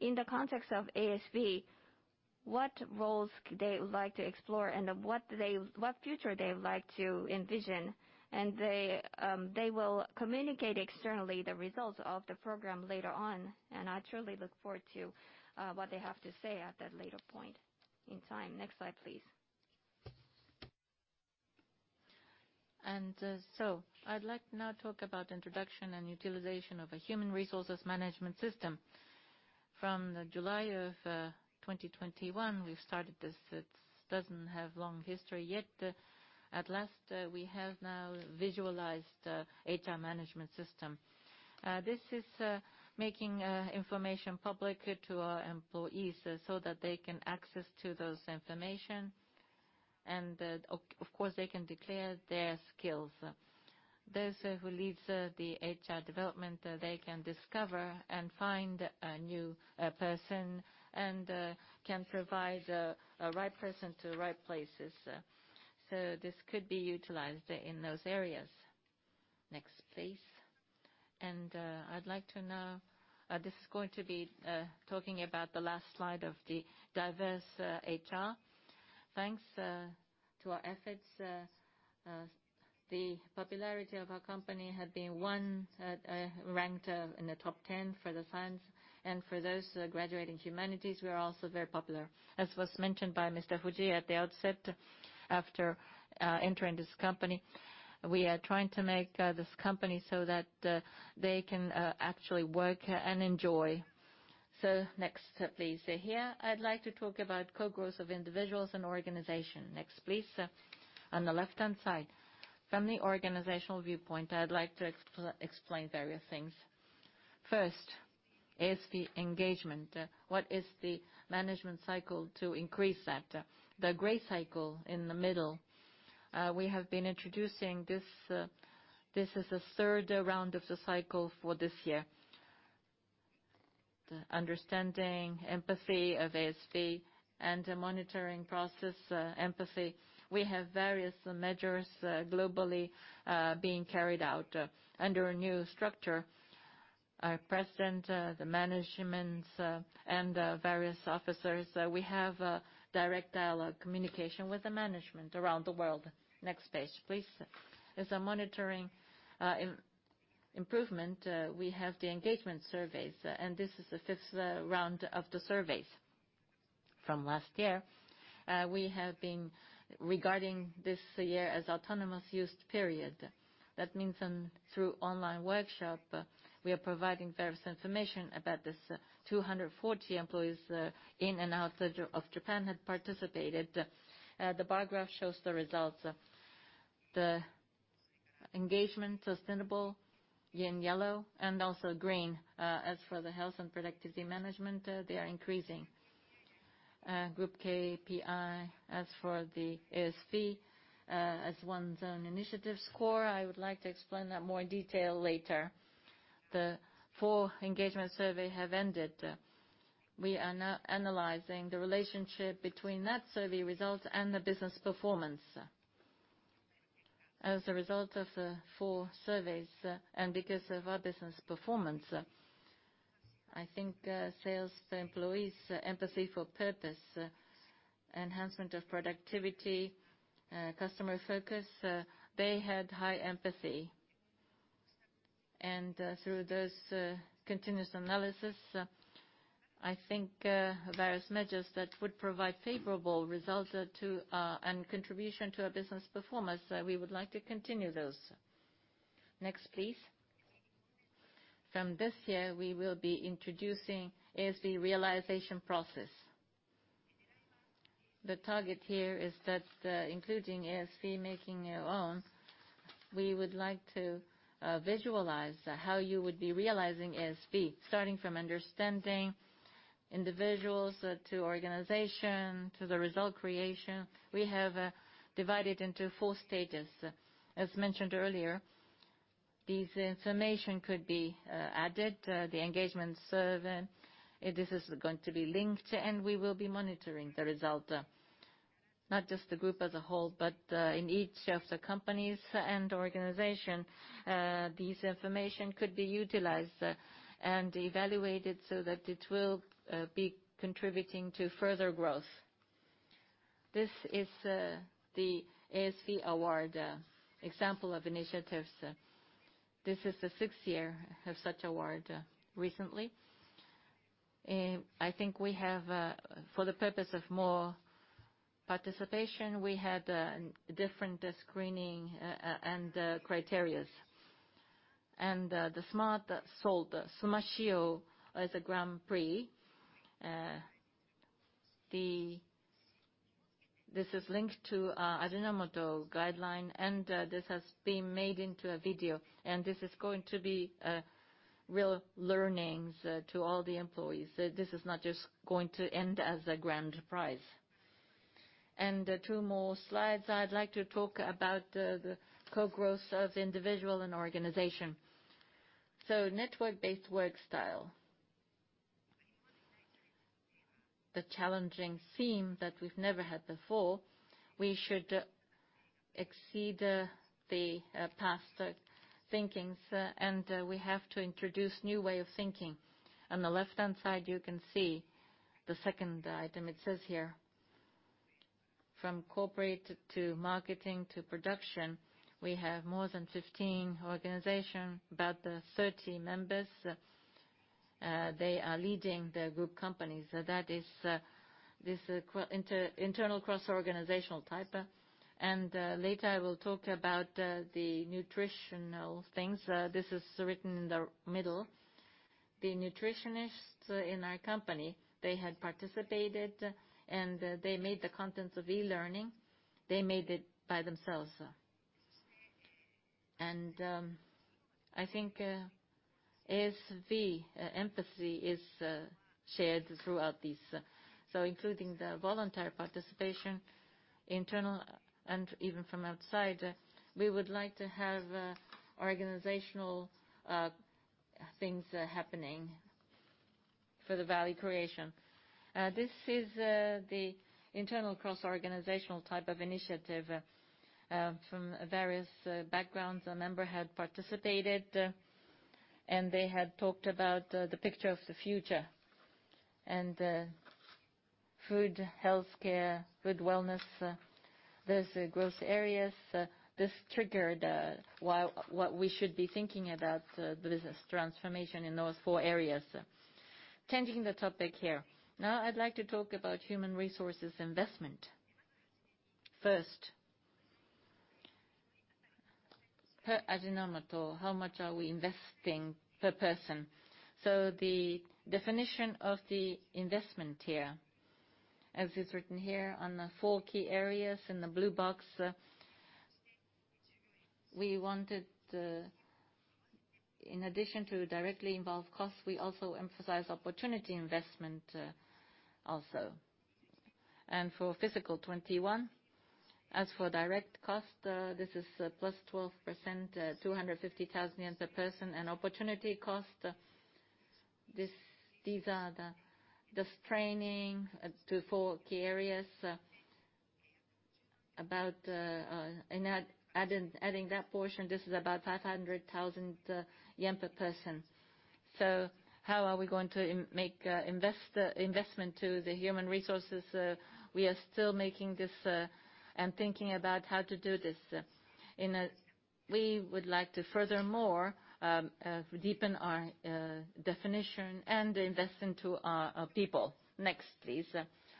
In the context of ASV, what roles they would like to explore and what future they would like to envision. They will communicate externally the results of the program later on. I truly look forward to what they have to say at that later point in time. Next slide, please. I'd like to now talk about introduction and utilization of a human resources management system. From July of 2021, we've started this. It doesn't have long history yet. At last, we have now visualized HR management system. This is making information public to our employees so that they can access to those information. Of course, they can declare their skills. Those who lead the HR development, they can discover and find a new person and can provide a right person to the right places. This could be utilized in those areas. Next, please. This is going to be talking about the last slide of the diverse HR. Thanks to our efforts, the popularity of our company had been ranked in the top 10 for the science. For those graduating humanities, we are also very popular. As was mentioned by Mr. Fujii at the outset, after entering this company, we are trying to make this company so that they can actually work and enjoy. Next, please. Here, I'd like to talk about co-growth of individuals and organization. Next, please. On the left-hand side. From the organizational viewpoint, I'd like to explain various things. First is the engagement. What is the management cycle to increase that? The gray cycle in the middle, we have been introducing this. This is the third round of the cycle for this year. The understanding empathy of ASV and the monitoring process empathy. We have various measures globally being carried out under a new structure. Our President, the management, and the various officers, we have a direct dialogue communication with the management around the world. Next page, please. As a monitoring improvement, we have the engagement surveys, this is the fifth round of the surveys from last year. We have been regarding this year as autonomous used period. That means through online workshop, we are providing various information about this. 240 employees in and outside of Japan had participated. The bar graph shows the results. The engagement sustainable in yellow and also green. As for the health and productivity management, they are increasing. Group KPI as for the ASV as one zone initiative score, I would like to explain that more in detail later. The four engagement survey have ended. We are now analyzing the relationship between that survey results and the business performance. As a result of the four surveys, because of our business performance, I think sales employees' empathy for purpose, enhancement of productivity, customer focus, they had high empathy. Through those continuous analysis, I think various measures that would provide favorable results and contribution to our business performance, we would like to continue those. Next, please. From this year, we will be introducing ASV realization process. The target here is that including ASV making your own, we would like to visualize how you would be realizing ASV, starting from understanding individuals to organization, to the result creation. We have divided into 4 stages. As mentioned earlier, this information could be added. The engagement survey, this is going to be linked, and we will be monitoring the result, not just the group as a whole, but in each of the companies and organization. This information could be utilized and evaluated so that it will be contributing to further growth. This is the ASV Awards example of initiatives. This is the sixth year of such award recently. I think for the purpose of more participation, we had different screening and criteria. The Smart Salt, Suma-Shio, is a Grand Prix. This is linked to Ajinomoto guideline, this has been made into a video, and this is going to be real learnings to all the employees. This is not just going to end as a Grand Prix. Two more slides. I'd like to talk about the co-growth of individual and organization. Network-based work style. The challenging theme that we've never had before, we should exceed the past thinkings, and we have to introduce new way of thinking. On the left-hand side, you can see the second item. It says here, from corporate to marketing to production, we have more than 15 organizations, about 30 members. They are leading the group companies. That is this internal cross-organizational type. Later I will talk about the nutritional things. This is written in the middle. The nutritionists in our company, they had participated and they made the contents of e-learning. They made it by themselves. I think ASV empathy is shared throughout these. Including the volunteer participation, internal and even from outside, we would like to have organizational things happening for the value creation. This is the internal cross-organizational type of initiative from various backgrounds. A member had participated, they had talked about the picture of the future and food, healthcare, food wellness. There's growth areas. This triggered what we should be thinking about the business transformation in those four areas. Changing the topic here. Now I'd like to talk about human resources investment. First, per Ajinomoto, how much are we investing per person? The definition of the investment here, as is written here on the four key areas in the blue box, we wanted in addition to directly involved cost, we also emphasize opportunity investment also. For fiscal 2021, as for direct cost, this is +12%, 250,000 yen per person. Opportunity cost, these are the training to four key areas. About adding that portion, this is about 500,000 yen per person. How are we going to make investment to the human resources? We are still making this and thinking about how to do this. We would like to furthermore deepen our definition and invest into our people. Next, please.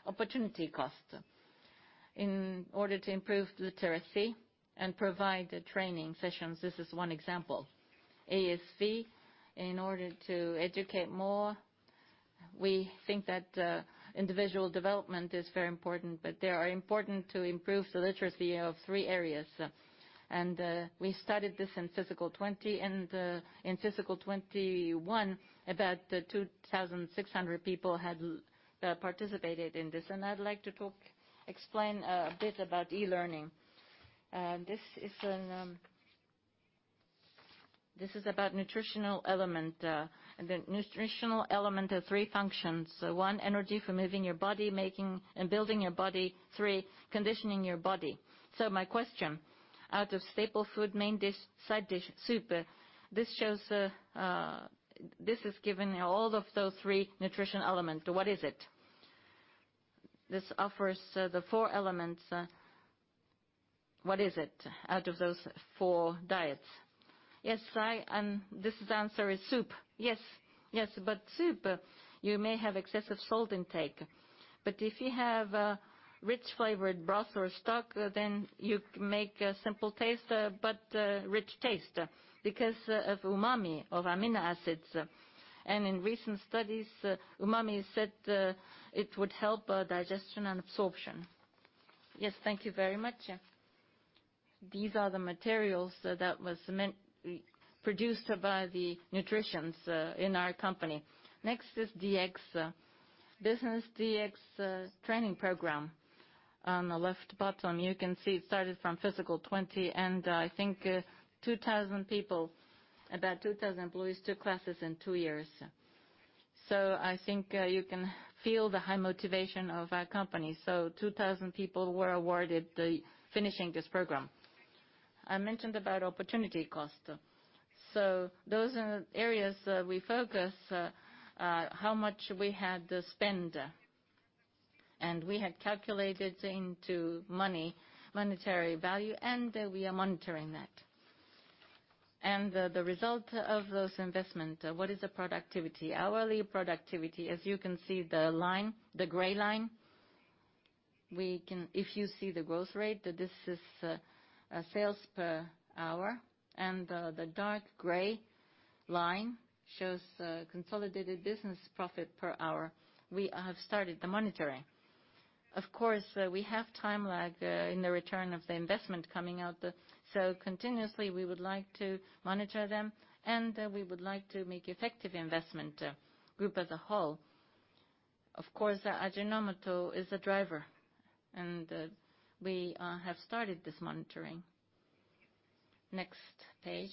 Opportunity cost. In order to improve literacy and provide training sessions, this is one example. ASV, in order to educate more, we think that individual development is very important, they are important to improve the literacy of three areas. We started this in fiscal 2020, in fiscal 2021, about 2,600 people had participated in this. I'd like to explain a bit about e-learning. This is about nutritional element. The nutritional element has three functions. One, energy for moving your body, making and building your body. Three, conditioning your body. My question, out of staple food, main dish, side dish, soup. This has given all of those three nutrition elements. What is it? This offers the four elements. What is it out of those four diets? Yes, right, this answer is soup. Yes. Soup, you may have excessive salt intake. If you have a rich flavored broth or stock, then you make a simple taste, but rich taste because of umami, of amino acids. In recent studies, umami is said it would help digestion and absorption. Yes, thank you very much. These are the materials that was produced by the nutritionists in our company. Next is DX. Business DX training program. On the left bottom, you can see it started from fiscal 2020, and I think 2,000 people, about 2,000 employees, took classes in two years. I think you can feel the high motivation of our company. 2,000 people were awarded finishing this program. I mentioned about opportunity cost. Those are areas we focus how much we had to spend. We had calculated into money, monetary value, and we are monitoring that. The result of those investment, what is the productivity? Hourly productivity, as you can see the line, the gray line. If you see the growth rate, this is sales per hour, and the dark gray line shows consolidated business profit per hour. We have started the monitoring. Of course, we have time lag in the return of the investment coming out. Continuously, we would like to monitor them, and we would like to make effective investment, Group as a whole. Of course, Ajinomoto is a driver, and we have started this monitoring. Next page.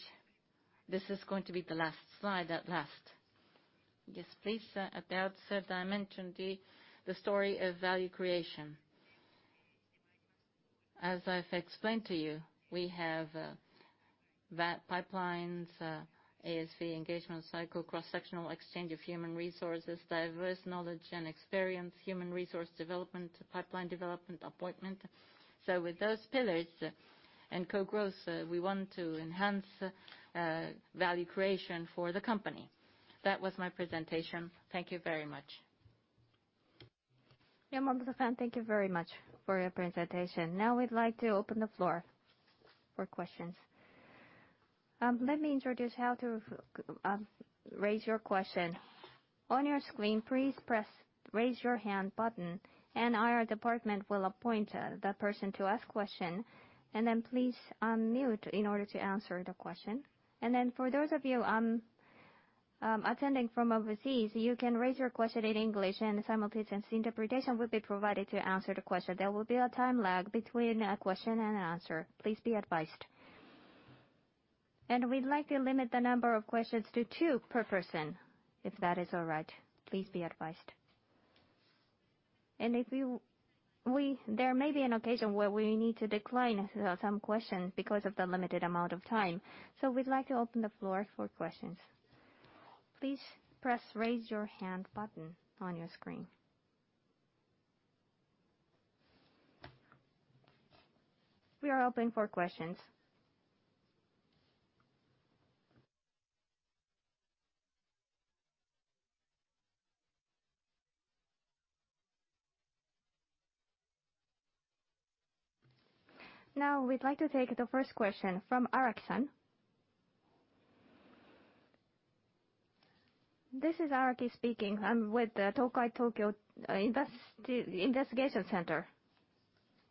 This is going to be the last slide at last. Yes, please. About said dimension D, the story of value creation. As I've explained to you, we have pipelines, ASV engagement cycle, cross-sectional exchange of human resources, diverse knowledge and experience, human resource development, pipeline development, appointment. With those pillars and co-growth, we want to enhance value creation for the company. That was my presentation. Thank you very much. Momosafan, thank you very much for your presentation. Now we'd like to open the floor for questions. Let me introduce how to raise your question. On your screen, please press raise your hand button and our department will appoint the person to ask question, and then please unmute in order to answer the question. For those of you attending from overseas, you can raise your question in English and simultaneous interpretation will be provided to answer the question. There will be a time lag between a question and an answer. Please be advised. We'd like to limit the number of questions to two per person, if that is all right. Please be advised. There may be an occasion where we need to decline some questions because of the limited amount of time. We'd like to open the floor for questions. Please press raise your hand button on your screen. We are open for questions. Now we'd like to take the first question from Araki-san. This is Araki speaking. I'm with the Tokai Tokyo Research Center.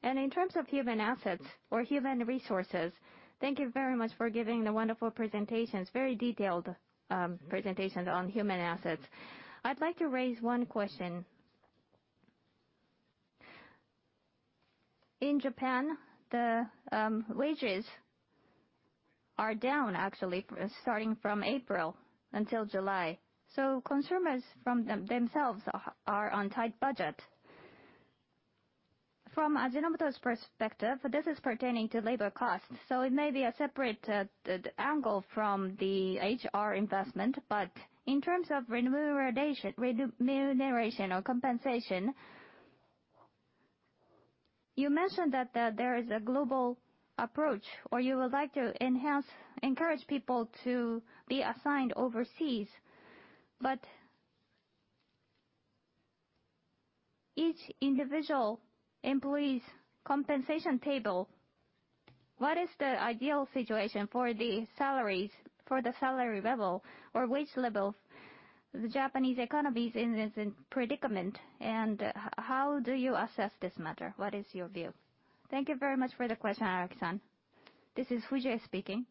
In terms of human assets or human resources, thank you very much for giving the wonderful presentations, very detailed presentations on human assets. I'd like to raise one question. In Japan, wages are down, actually, starting from April until July. Consumers themselves are on tight budget. From Ajinomoto's perspective, this is pertaining to labor costs, so it may be a separate angle from the HR investment. But in terms of remuneration or compensation, you mentioned that there is a global approach, or you would like to encourage people to be assigned overseas. But each individual employee's compensation table, what is the ideal situation for the salary level or wage level? The Japanese economy is in this predicament, how do you assess this matter? What is your view? Thank you very much for the question, Araki-san. This is Fujii speaking.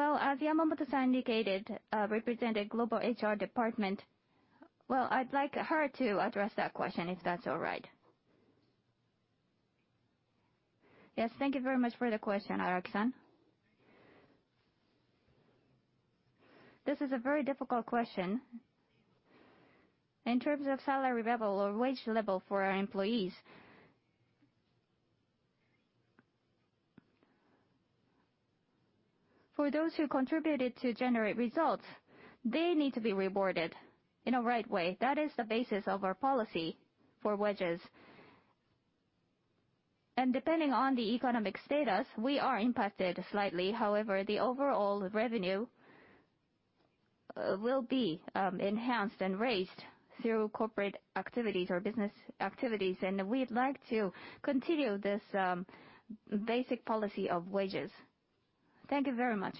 As Yamamoto-san indicated, represented global HR department. I'd like her to address that question, if that's all right. Yes, thank you very much for the question, Araki-san. This is a very difficult question. In terms of salary level or wage level for our employees, for those who contributed to generate results, they need to be rewarded in a right way. That is the basis of our policy for wages. Depending on the economic status, we are impacted slightly. However, the overall revenue will be enhanced and raised through corporate activities or business activities, we'd like to continue this basic policy of wages. Thank you very much.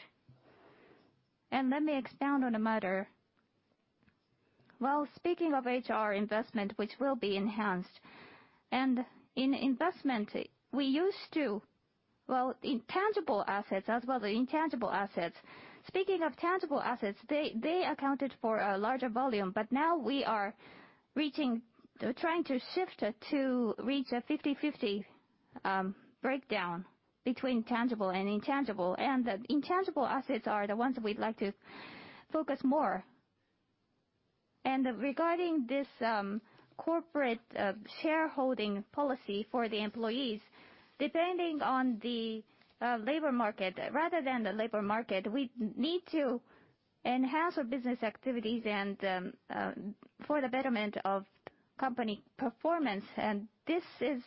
Let me expound on the matter. Speaking of HR investment, which will be enhanced, in investment, we used to, in tangible assets as well the intangible assets. Speaking of tangible assets, they accounted for a larger volume, but now we are trying to shift to reach a 50/50 breakdown between tangible and intangible. The intangible assets are the ones we'd like to focus more on. Regarding this corporate shareholding policy for the employees, depending on the labor market, rather than the labor market, we need to enhance our business activities and for the betterment of company performance. This is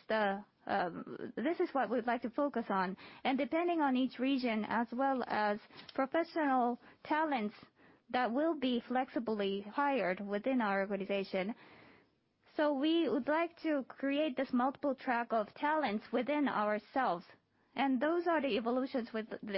what we'd like to focus on. Depending on each region, as well as professional talents that will be flexibly hired within our organization. We would like to create this multiple track of talents within ourselves, those are the evolutions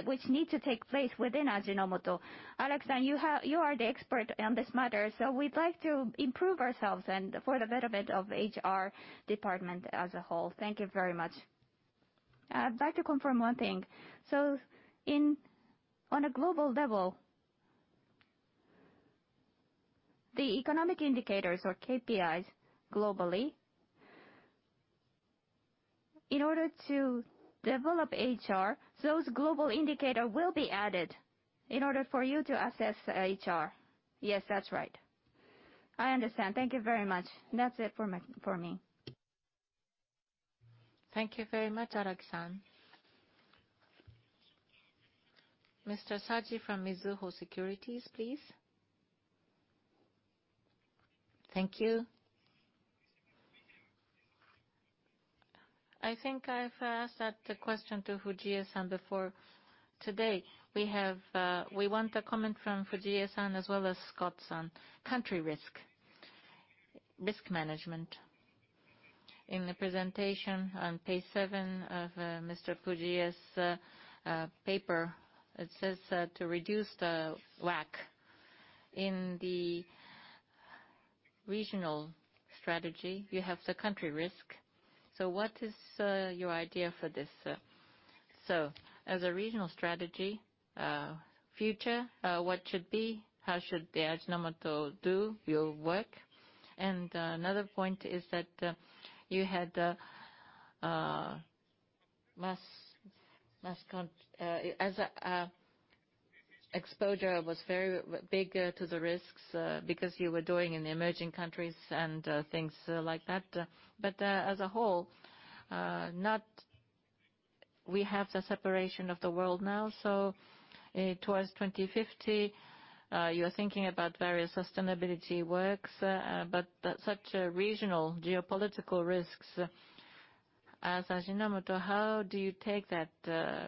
which need to take place within Ajinomoto. Araki-san, you are the expert on this matter, we'd like to improve ourselves and for the betterment of HR department as a whole. Thank you very much. I'd like to confirm one thing. On a global level, the economic indicators or KPIs globally, in order to develop HR, those global indicator will be added in order for you to assess HR. Yes, that's right. I understand. Thank you very much. That's it for me. Thank you very much, Araki-san. Mr. Saaji from Mizuho Securities, please. Thank you. I think I've asked that question to Fujii-san before. Today, we want a comment from Fujii-san as well as Scott-san. Country risk. Risk management. In the presentation on page seven of Mr. Fujii's paper, it says to reduce the WACC. In the regional strategy, you have the country risk. What is your idea for this? As a regional strategy, future, what should be, how should Ajinomoto do your work? Another point is that you had mass exposure was very big to the risks because you were doing in the emerging countries and things like that. As a whole, we have the separation of the world now. Towards 2050, you're thinking about various sustainability works, but such regional geopolitical risks. As Ajinomoto, how do you take that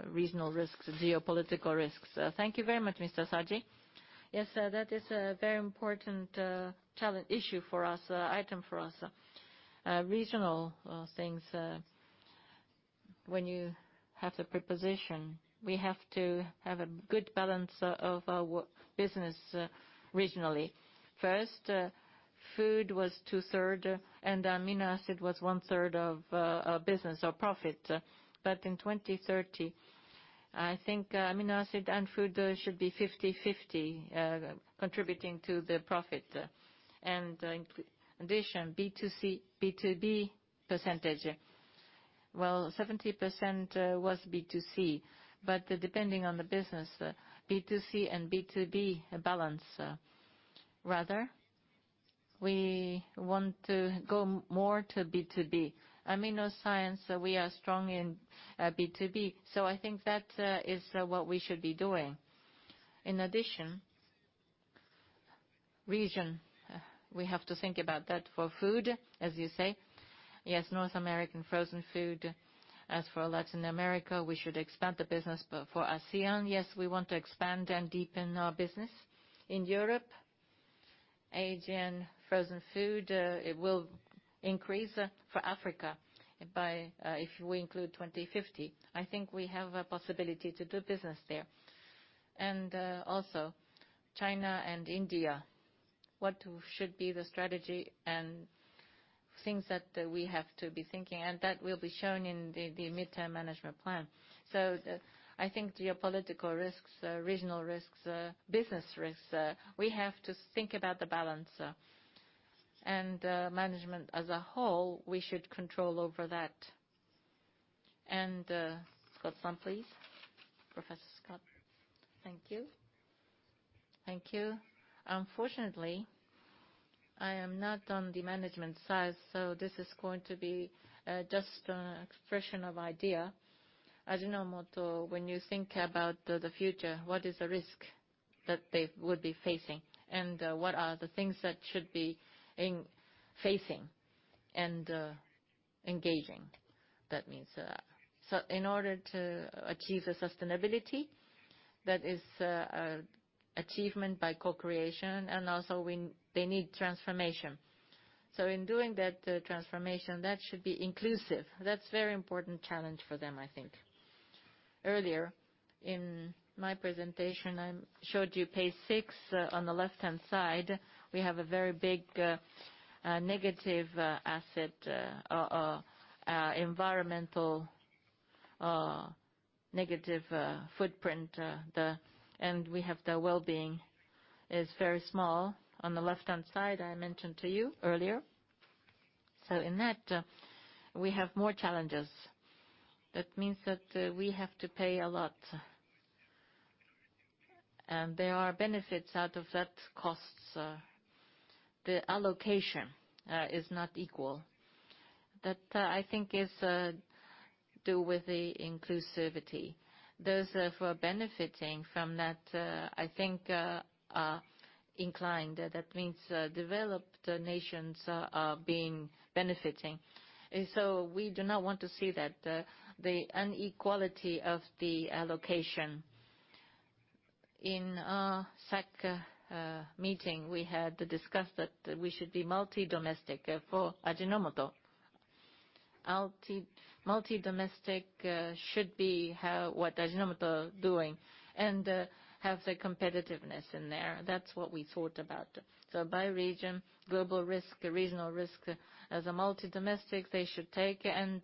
regional risks, geopolitical risks? Thank you very much, Mr. Saaji. That is a very important issue for us, item for us. Regional things, when you have the preposition, we have to have a good balance of our business regionally. First, food was two-third and amino acid was one-third of business or profit. But in 2030 I think amino acid and food should be 50/50 contributing to the profit. In addition, B2C, B2B percentage. 70% was B2C, but depending on the business, B2C and B2B balance. Rather, we want to go more to B2B. AminoScience, we are strong in B2B, I think that is what we should be doing. In addition, region, we have to think about that for food, as you say. North American frozen food. As for Latin America, we should expand the business. For ASEAN, yes, we want to expand and deepen our business. In Europe, Asian frozen food, it will increase for Africa by, if we include 2050, I think we have a possibility to do business there. Also China and India, what should be the strategy and things that we have to be thinking and that will be shown in the midterm management plan. I think geopolitical risks, regional risks, business risks, we have to think about the balance. Management as a whole, we should control over that. Scott-san, please. Professor Scott. Thank you. Unfortunately, I am not on the management side, so this is going to be just an expression of idea. Ajinomoto, when you think about the future, what is the risk that they would be facing and what are the things that should be facing and engaging? That means, in order to achieve the sustainability, that is achievement by co-creation, and also they need transformation. In doing that transformation, that should be inclusive. That's very important challenge for them, I think. Earlier in my presentation, I showed you page six. On the left-hand side, we have a very big negative asset, environmental negative footprint. We have the wellbeing is very small on the left-hand side, I mentioned to you earlier. In that, we have more challenges. That means that we have to pay a lot. There are benefits out of that costs. The allocation is not equal. That I think is do with the inclusivity. Those who are benefiting from that, I think are inclined. That means developed nations are being benefiting. We do not want to see that, the inequality of the allocation. In our SAC meeting, we had discussed that we should be multi-domestic for Ajinomoto. Multi-domestic should be what Ajinomoto doing and have the competitiveness in there. That's what we thought about. By region, global risk, regional risk. As a multi-domestic, they should take and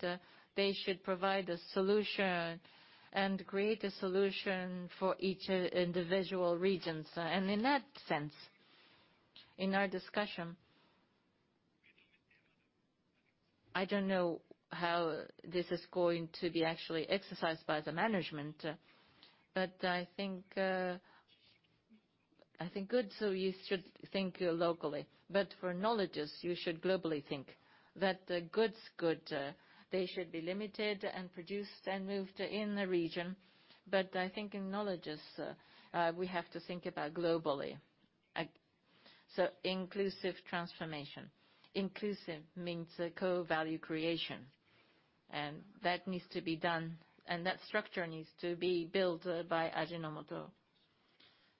they should provide a solution and create a solution for each individual regions. In that sense, in our discussion, I don't know how this is going to be actually exercised by the management, but I think good. You should think locally, but for knowledges, you should globally think that. They should be limited and produced and moved in the region. I think in knowledges we have to think about globally. Inclusive transformation. Inclusive means co-value creation. That needs to be done, and that structure needs to be built by Ajinomoto.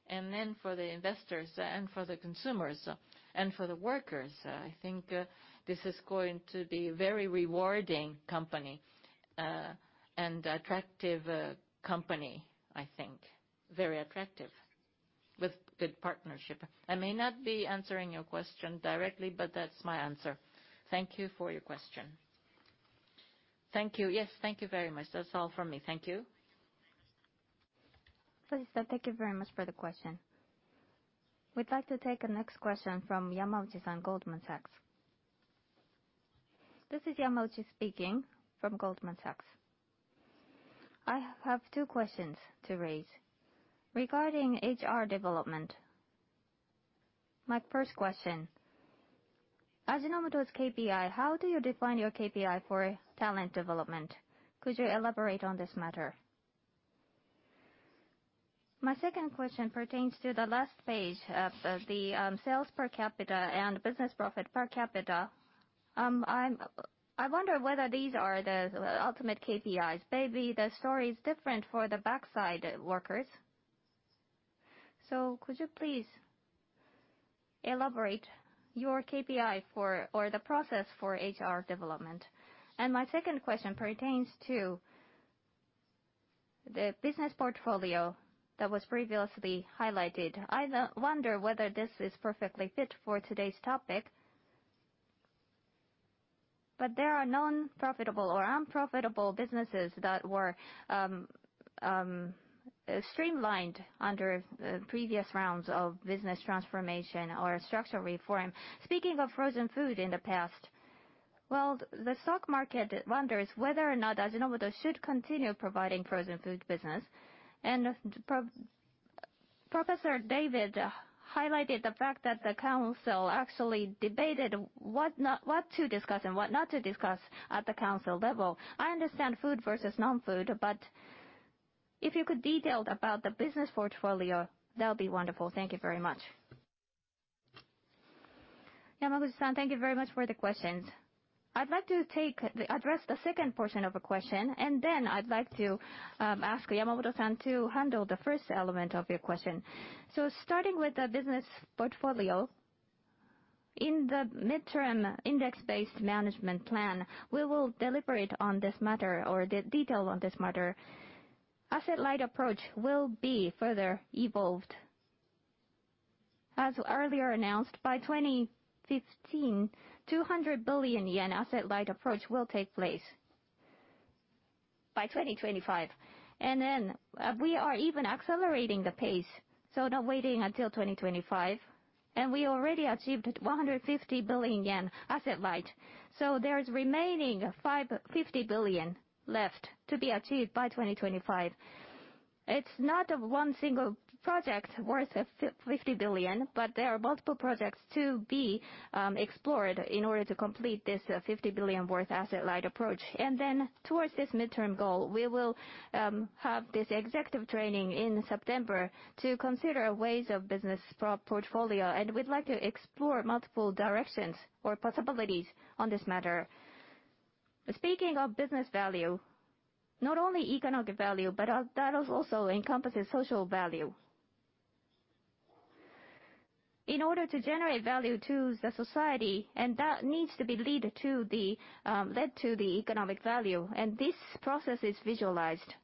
Then for the investors and for the consumers and for the workers, I think this is going to be very rewarding company and attractive company, I think. Very attractive with good partnership. I may not be answering your question directly, but that's my answer. Thank you for your question. Thank you. Yes, thank you very much. That's all from me. Thank you. Thank you very much for the question. We'd like to take the next question from Yamauchi-san, Goldman Sachs. This is Yamauchi speaking from Goldman Sachs. I have two questions to raise. Regarding HR development, my first question, Ajinomoto's KPI, how do you define your KPI for talent development? Could you elaborate on this matter? My second question pertains to the last page of the sales per capita and business profit per capita. I wonder whether these are the ultimate KPIs. Maybe the story is different for the backside workers. Could you please elaborate your KPI for or the process for HR development? My second question pertains to the business portfolio that was previously highlighted. I wonder whether this is perfectly fit for today's topic. There are non-profitable or unprofitable businesses that were streamlined under previous rounds of business transformation or structural reform. Speaking of frozen food in the past, well, the stock market wonders whether or not Ajinomoto should continue providing frozen food business. Professor David highlighted the fact that the council actually debated what to discuss and what not to discuss at the council level. I understand food versus non-food, if you could detail about the business portfolio, that'll be wonderful. Thank you very much. Yamaguchi-san, thank you very much for the questions. I'd like to address the second portion of a question, I'd like to ask Yamamoto-san to handle the first element of your question. Starting with the business portfolio, in the Midterm Index-Based Management Plan, we will deliberate on this matter or detail on this matter. Asset-light approach will be further evolved. As earlier announced, by 2015, 200 billion yen asset-light approach will take place by 2025. We are even accelerating the pace, not waiting until 2025. We already achieved 150 billion yen asset-light. There is remaining 50 billion left to be achieved by 2025. It's not one single project worth 50 billion, there are multiple projects to be explored in order to complete this 50 billion worth asset-light approach. Towards this midterm goal, we will have this executive training in September to consider ways of business portfolio, we'd like to explore multiple directions or possibilities on this matter. Speaking of business value, not only economic value, that also encompasses social value. In order to generate value to the society, that needs to be led to the economic value, this process is visualized.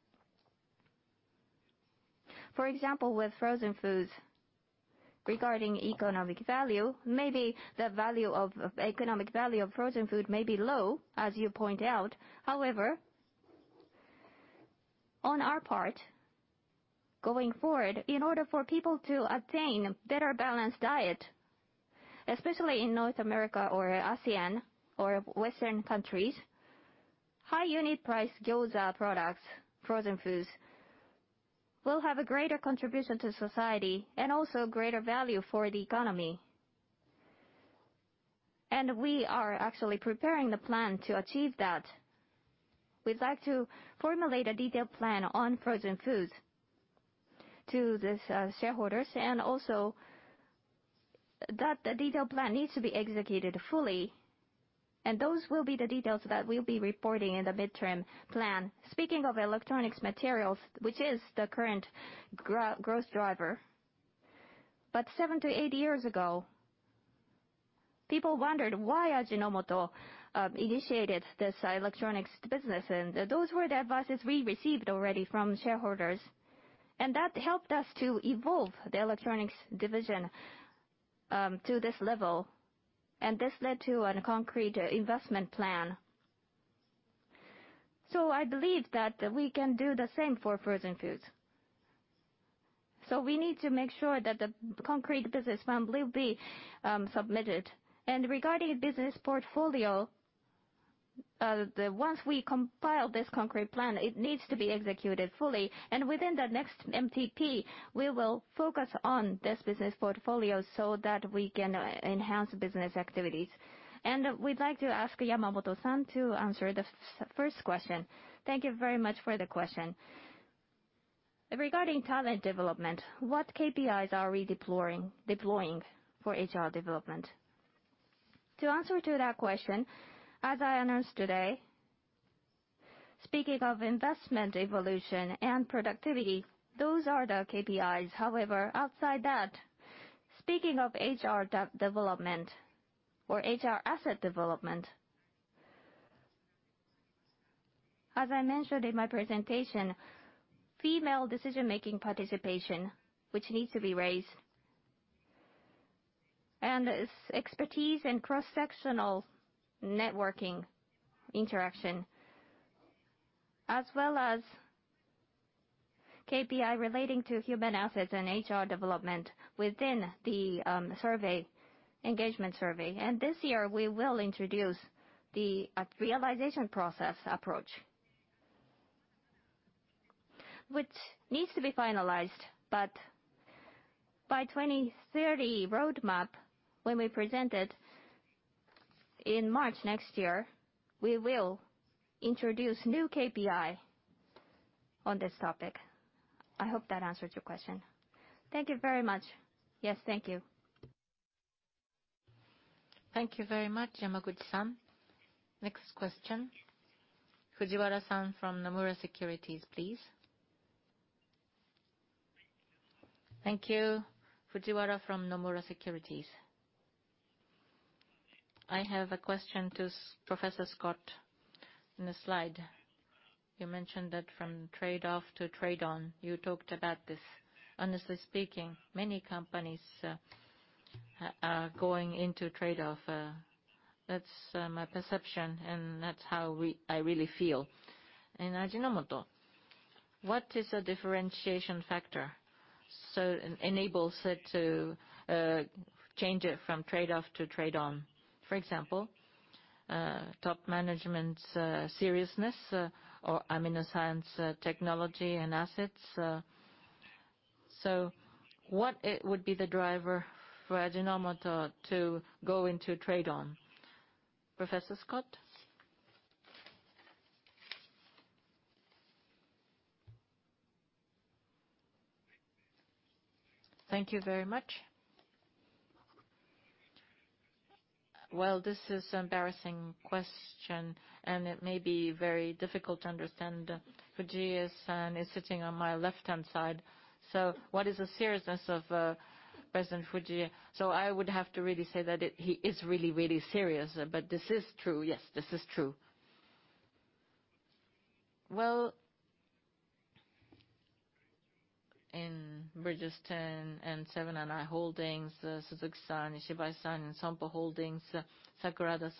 For example, with frozen foods, regarding economic value, maybe the economic value of frozen food may be low, as you point out. However, on our part, going forward, in order for people to obtain better balanced diet, especially in North America or ASEAN or Western countries, high unit price Gyoza products, frozen foods, will have a greater contribution to society and greater value for the economy. We are actually preparing the plan to achieve that. We'd like to formulate a detailed plan on frozen foods to the shareholders, the detailed plan needs to be executed fully. Those will be the details that we'll be reporting in the midterm plan. Speaking of electronics materials, which is the current growth driver. 7 to 8 years ago, people wondered why Ajinomoto initiated this electronics business. Those were the advices we received already from shareholders. That helped us to evolve the electronics division, to this level. This led to a concrete investment plan. I believe that we can do the same for frozen foods. We need to make sure that the concrete business plan will be submitted. Regarding business portfolio, once we compile this concrete plan, it needs to be executed fully. Within the next MTP, we will focus on this business portfolio we can enhance business activities. We'd like to ask Yamamoto-san to answer the first question. Thank you very much for the question. Regarding talent development, what KPIs are we deploying for HR development? To answer to that question, as I announced today, speaking of investment evolution and productivity, those are the KPIs. Outside that, speaking of HR development or HR asset development, as I mentioned in my presentation, female decision-making participation, which needs to be raised, and expertise in cross-sectional networking interaction, as well as KPI relating to human assets and HR development within the engagement survey. This year, we will introduce the ASV realization process, which needs to be finalized. By 2030 Roadmap, when we present it in March next year, we will introduce new KPI on this topic. I hope that answers your question. Thank you very much. Yes, thank you. Thank you very much, Yamauchi-san. Next question, Fujiwara-san from Nomura Securities, please. Thank you. Fujiwara from Nomura Securities. I have a question to Professor Scott. In the slide, you mentioned that from trade-off to trade-on. You talked about this. Honestly speaking, many companies are going into trade-off. That's my perception, and that's how I really feel. In Ajinomoto, what is a differentiation factor? It enables it to change it from trade-off to trade-on. For example, top management's seriousness, or AminoScience technology and assets. What would be the driver for Ajinomoto to go into trade-on? Professor Scott? Thank you very much. Well, this is embarrassing question, and it may be very difficult to understand. Fujie is sitting on my left-hand side. What is the seriousness of President Fujie? I would have to really say that he is really, really serious. This is true. Yes, this is true. Well, in Bridgestone and Seven & i Holdings, Suzuki, Ishibashi, and Sompo Holdings, Sakurada,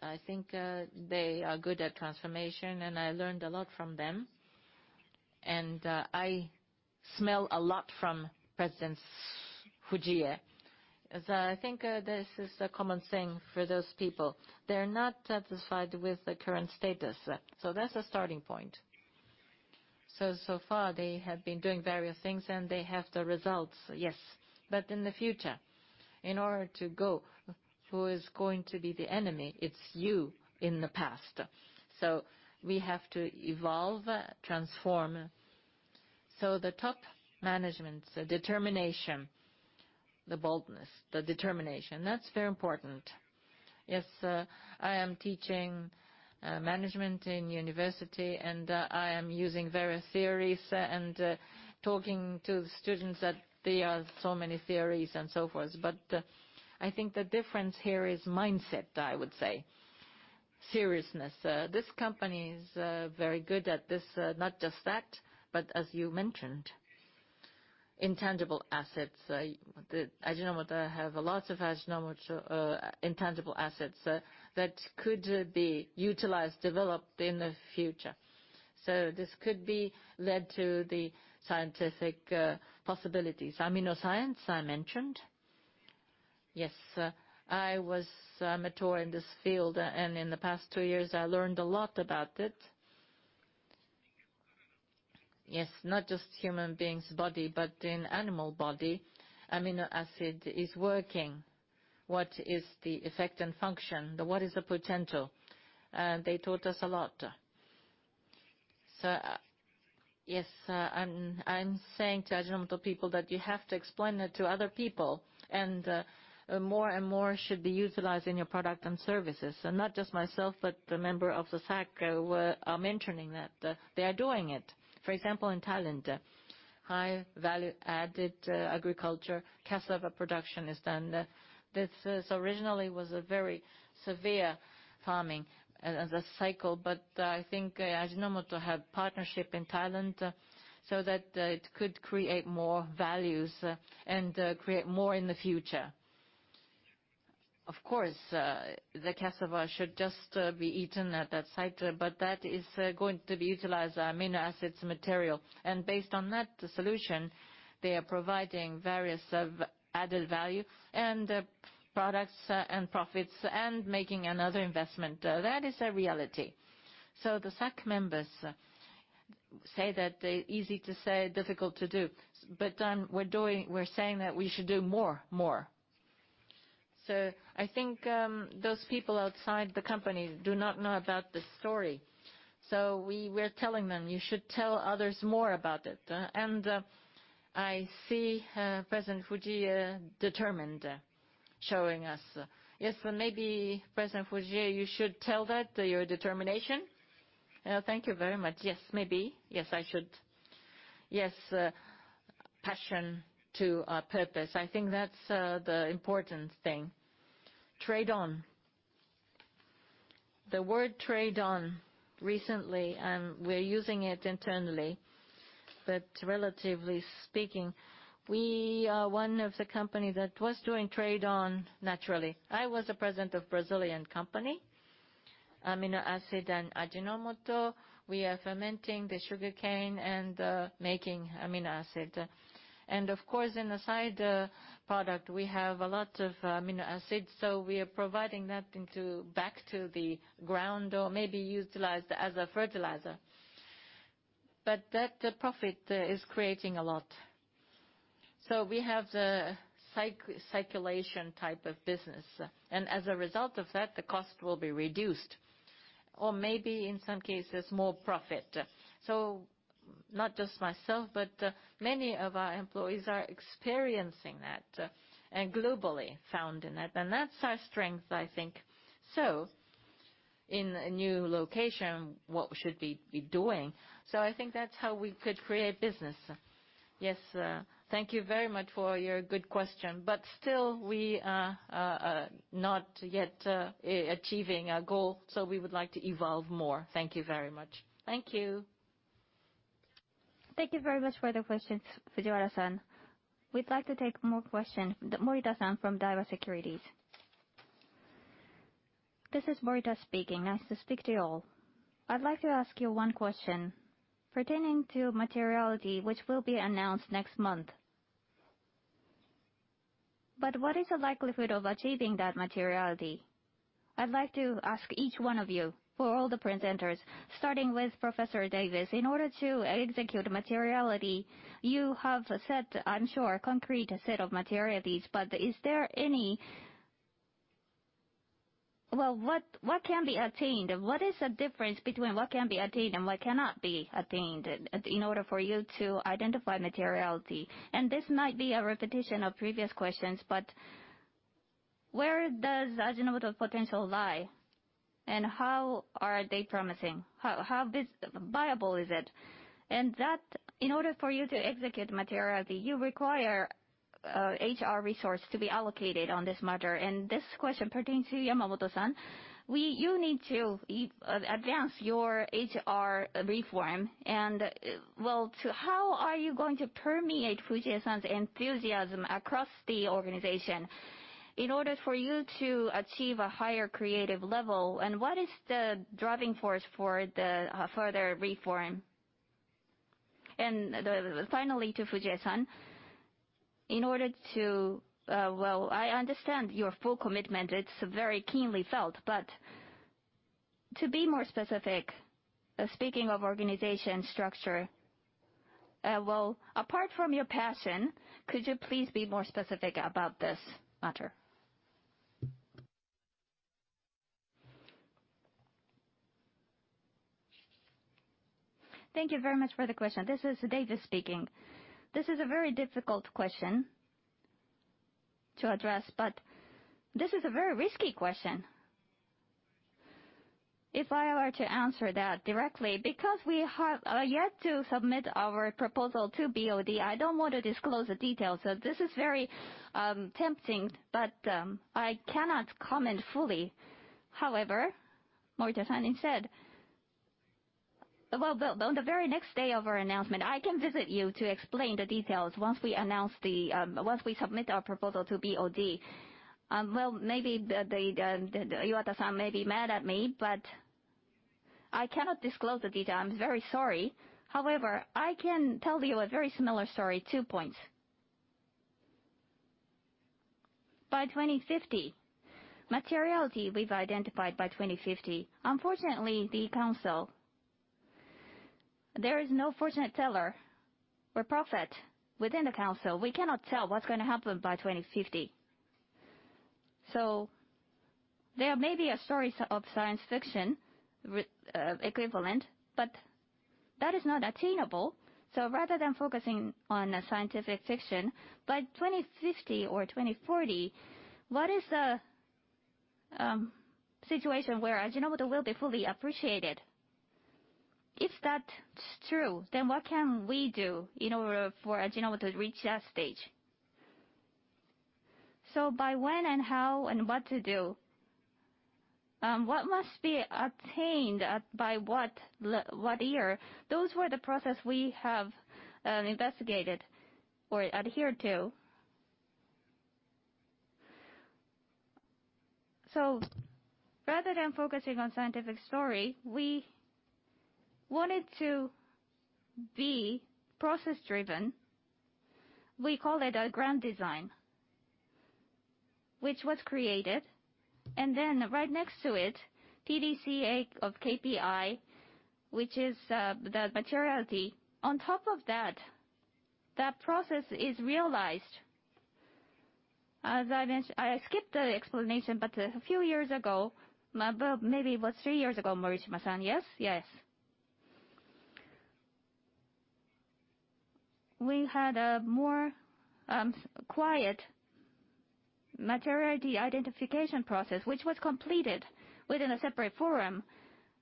I think they are good at transformation, and I learned a lot from them. I smell a lot from President Fujie. I think this is a common thing for those people. They're not satisfied with the current status. That's a starting point. So far they have been doing various things, and they have the results, yes. In the future, in order to go, who is going to be the enemy? It's you in the past. We have to evolve, transform. The top management's determination, the boldness, the determination. That's very important. Yes, I am teaching management in university, and I am using various theories and talking to the students that there are so many theories and so forth. I think the difference here is mindset, I would say. Seriousness. This company is very good at this. Not just that, but as you mentioned, intangible assets. Ajinomoto have lots of Ajinomoto intangible assets that could be utilized, developed in the future. This could be led to the scientific possibilities. AminoScience, I mentioned. Yes, I was mature in this field, and in the past two years, I learned a lot about it. Yes, not just human being's body, but in animal body, amino acid is working. What is the effect and function? What is the potential? They taught us a lot. Yes, I'm saying to Ajinomoto people that you have to explain it to other people, and more and more should be utilized in your product and services. Not just myself, but the member of the SAC are mentioning that they are doing it. For example, in Thailand, high value added agriculture, cassava production is done. This originally was a very severe farming as a cycle, I think Ajinomoto have partnership in Thailand, that it could create more values and create more in the future. Of course, the cassava should just be eaten at that site, that is going to be utilized amino acids material. Based on that solution, they are providing various added value and products and profits and making another investment. That is a reality. The SAC members say that easy to say, difficult to do. We're saying that we should do more, more. I think those people outside the company do not know about this story. We're telling them, "You should tell others more about it." I see President Fujie determined, showing us. Yes, maybe President Fujie, you should tell that, your determination. Thank you very much. Yes, maybe. Yes, I should. Yes, passion to our purpose. I think that's the important thing. Trade-on. The word trade-on, recently, we're using it internally, relatively speaking, we are one of the company that was doing trade-on naturally. I was the president of Brazilian company. Amino acid and Ajinomoto, we are fermenting the sugarcane and making amino acid. Of course, in the side product, we have a lot of amino acids, we are providing that back to the ground, or may be utilized as a fertilizer. That profit is creating a lot. We have the circulation type of business. As a result of that, the cost will be reduced, or maybe in some cases, more profit. Not just myself, but many of our employees are experiencing that and globally found in it. That's our strength, I think. In a new location, what should we be doing? I think that's how we could create business. Yes. Thank you very much for your good question. Still, we are not yet achieving our goal, we would like to evolve more. Thank you very much. Thank you. Thank you very much for the questions, Fujiwara-san. We'd like to take more question. Morita-san from Daiwa Securities. This is Morita speaking. Nice to speak to you all. I'd like to ask you one question pertaining to materiality, which will be announced next month. What is the likelihood of achieving that materiality? I'd like to ask each one of you, for all the presenters, starting with Professor Davis. In order to execute materiality, you have set, I'm sure, concrete set of materialities. What can be attained? What is the difference between what can be attained and what cannot be attained in order for you to identify materiality? This might be a repetition of previous questions, where does Ajinomoto potential lie and how are they promising? How viable is it? That, in order for you to execute materiality, you require HR resource to be allocated on this matter. This question pertains to Yamamoto-san. You need to advance your HR reform and, well, how are you going to permeate Fujii-san's enthusiasm across the organization in order for you to achieve a higher creative level? What is the driving force for the further reform? Finally, to Fujii-san, well, I understand your full commitment. It's very keenly felt, to be more specific, speaking of organization structure, well, apart from your passion, could you please be more specific about this matter? Thank you very much for the question. This is Davis speaking. This is a very difficult question to address, but this is a very risky question. If I were to answer that directly, because we are yet to submit our proposal to BOD, I don't want to disclose the details. This is very tempting, but I cannot comment fully. However, Makoto-san instead. Well, on the very next day of our announcement, I can visit you to explain the details once we submit our proposal to BOD. Well, maybe Iwata-san may be mad at me, but I cannot disclose the detail. I'm very sorry. However, I can tell you a very similar story. Two points. By 2050, materiality we've identified by 2050, unfortunately, the council, there is no fortune teller or prophet within the council. We cannot tell what's going to happen by 2050. There may be a story of science fiction equivalent, but that is not attainable. Rather than focusing on scientific fiction, by 2050 or 2040, what is a situation where Ajinomoto will be fully appreciated? If that's true, what can we do in order for Ajinomoto to reach that stage? By when and how and what to do, what must be attained by what year? Those were the process we have investigated or adhered to. Rather than focusing on scientific story, we wanted to be process-driven. We call it a grand design, which was created, and right next to it, PDCA of KPI, which is the materiality. On top of that process is realized. I skipped the explanation, but a few years ago, maybe it was three years ago, Morishima-san, yes? Yes. We had a more quiet materiality identification process, which was completed within a separate forum,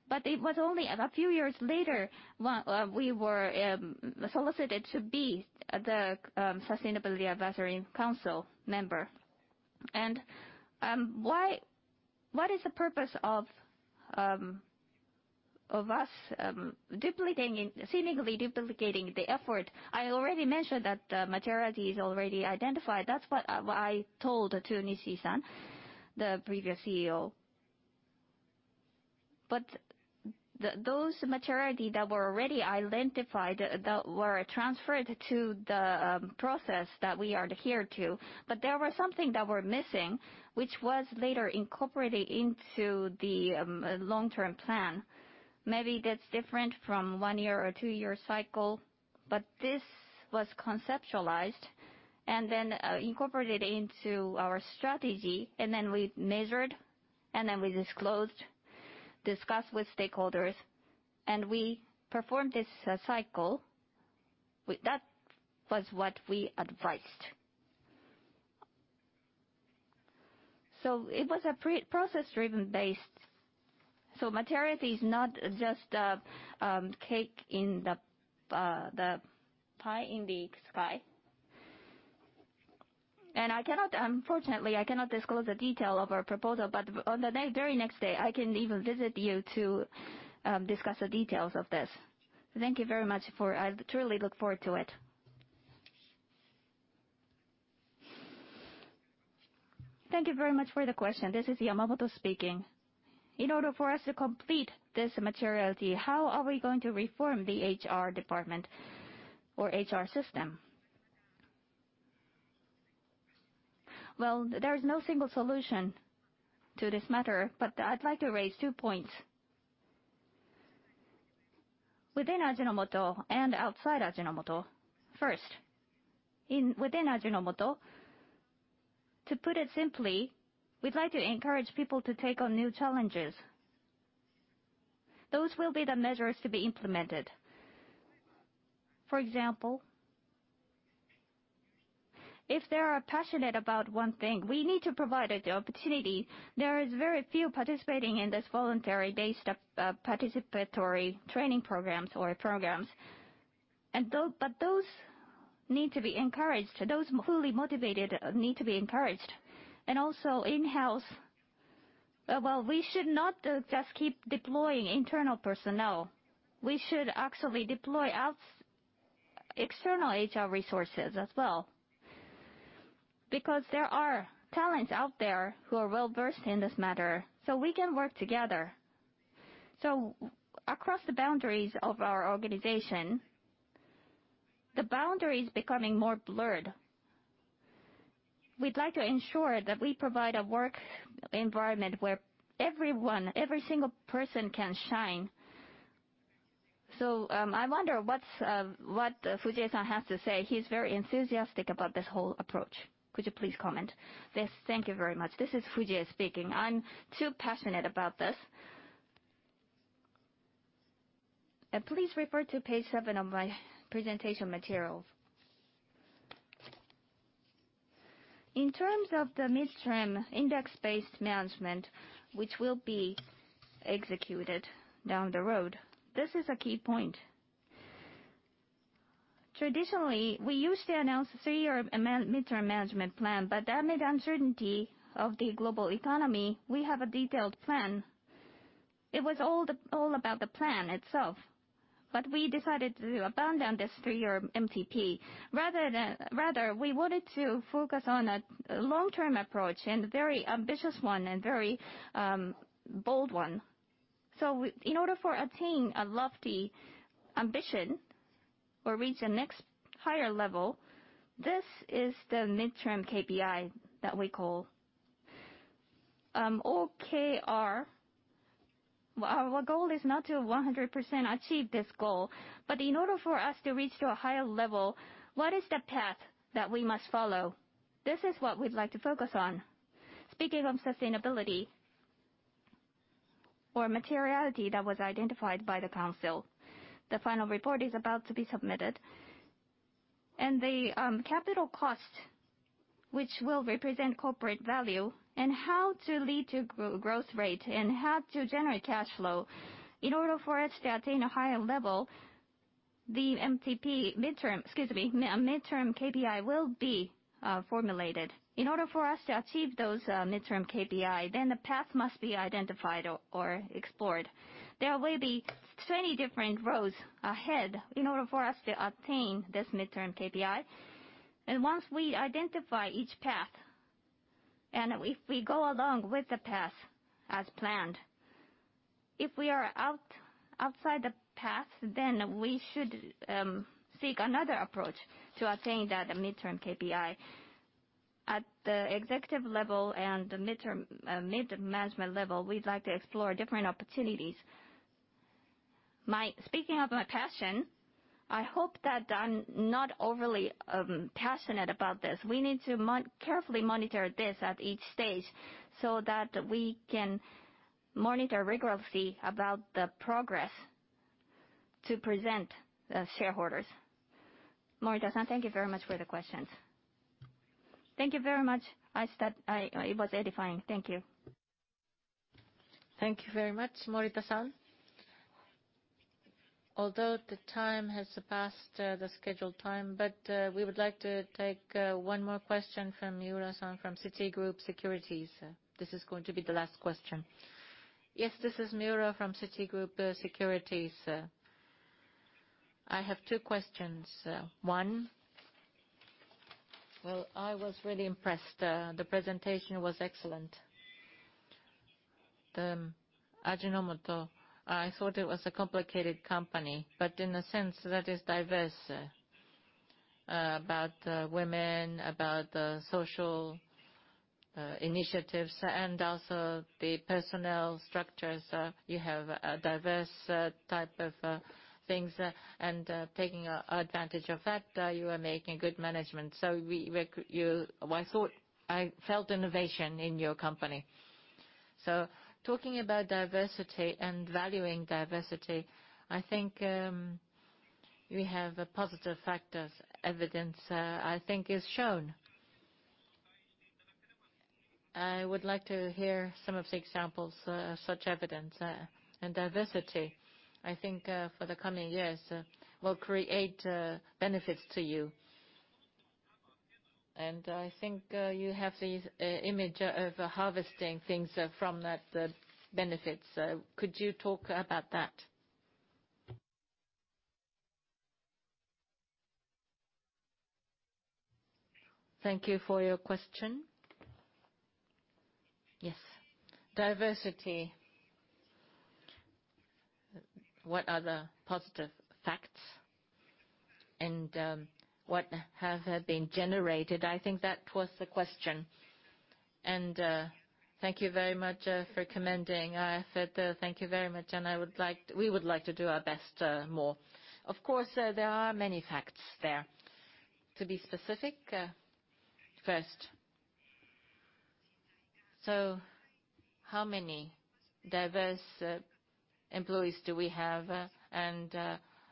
but it was only a few years later, we were solicited to be the Sustainability Advisory Council member. What is the purpose of us seemingly duplicating the effort? I already mentioned that the materiality is already identified. That's what I told to Nishii-san, the previous CEO. Those materiality that were already identified, that were transferred to the process that we adhere to. There were something that were missing, which was later incorporated into the long-term plan. Maybe that's different from one year or two-year cycle, but this was conceptualized and incorporated into our strategy, and we measured, and we disclosed, discussed with stakeholders, and we performed this cycle. That was what we advised. It was a process-driven based. Materiality is not just a cake in the pie in the sky. Unfortunately, I cannot disclose the detail of our proposal, but on the very next day, I can even visit you to discuss the details of this. Thank you very much. I truly look forward to it. Thank you very much for the question. This is Yamamoto speaking. In order for us to complete this materiality, how are we going to reform the HR department or HR system? Well, there is no single solution to this matter, but I'd like to raise two points. Within Ajinomoto and outside Ajinomoto. First, within Ajinomoto, to put it simply, we'd like to encourage people to take on new challenges. Those will be the measures to be implemented. For example, if they are passionate about one thing, we need to provide the opportunity. There is very few participating in this voluntary participatory training programs or programs. Those need to be encouraged. Those fully motivated need to be encouraged. In-house, well, we should not just keep deploying internal personnel. We should actually deploy external HR resources as well, because there are talents out there who are well-versed in this matter, so we can work together. Across the boundaries of our organization, the boundary is becoming more blurred. We'd like to ensure that we provide a work environment where everyone, every single person, can shine. I wonder what Fujii-san has to say. He's very enthusiastic about this whole approach. Could you please comment? Yes. Thank you very much. This is Fujii speaking. I'm too passionate about this. Please refer to page seven of my presentation materials. In terms of the midterm index-based management, which will be executed down the road, this is a key point. Traditionally, we used to announce a three-year midterm management plan, but amid the uncertainty of the global economy, we have a detailed plan. It was all about the plan itself, but we decided to abandon this three-year MTP. Rather, we wanted to focus on a long-term approach, and a very ambitious one, and a very bold one. In order to attain a lofty ambition or reach the next higher level, this is the midterm KPI that we call OKR. Our goal is not to 100% achieve this goal, but in order for us to reach to a higher level, what is the path that we must follow? This is what we'd like to focus on. Speaking of sustainability or materiality that was identified by the council, the final report is about to be submitted. The capital cost, which will represent corporate value, and how to lead to growth rate, and how to generate cash flow in order for us to attain a higher level, the midterm KPI will be formulated. In order for us to achieve those midterm KPI, the path must be identified or explored. There will be 20 different roads ahead in order for us to attain this midterm KPI. Once we identify each path, and if we go along with the path as planned, if we are outside the path, then we should seek another approach to attain that midterm KPI. At the executive level and the mid-management level, we'd like to explore different opportunities. Speaking of my passion, I hope that I'm not overly passionate about this. We need to carefully monitor this at each stage so that we can monitor rigorously about the progress to present the shareholders. Makoto-san, thank you very much for the questions. Thank you very much. It was edifying. Thank you. Thank you very much, Morita-san. Although the time has surpassed the scheduled time, we would like to take one more question from Miura-san from Citigroup Securities. This is going to be the last question. This is Miura from Citigroup Securities. I have two questions. One, I was really impressed. The presentation was excellent. Ajinomoto, I thought it was a complicated company, but in a sense that is diverse. About women, about the social initiatives, and also the personnel structures. You have diverse type of things, and taking advantage of that, you are making good management. I felt innovation in your company. Talking about diversity and valuing diversity, I think we have positive factors. Evidence, I think is shown. I would like to hear some of the examples of such evidence and diversity. I think for the coming years, we'll create benefits to you. I think you have the image of harvesting things from that benefits. Could you talk about that? Thank you for your question. Diversity. What are the positive facts and what have been generated? I think that was the question. Thank you very much for commending. I said thank you very much, and we would like to do our best more. Of course, there are many facts there. To be specific, first, how many diverse employees do we have and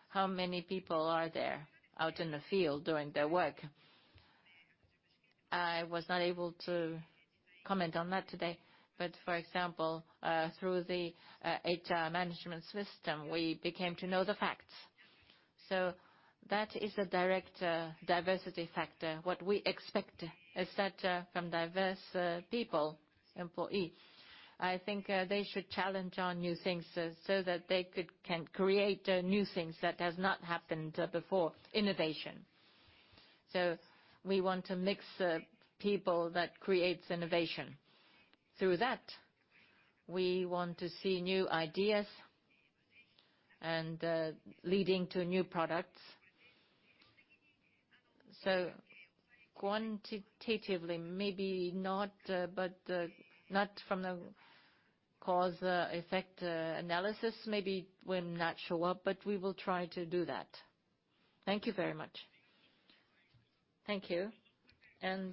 how many people are there out in the field doing their work? I was not able to comment on that today, but for example, through the HR management system, we became to know the facts. That is a direct diversity factor. What we expect is that from diverse people, employees, I think they should challenge on new things so that they can create new things that has not happened before. Innovation. We want to mix people that creates innovation. Through that, we want to see new ideas and leading to new products. Quantitatively, maybe not from the cause-effect analysis, maybe will not show up, but we will try to do that. Thank you very much. Thank you.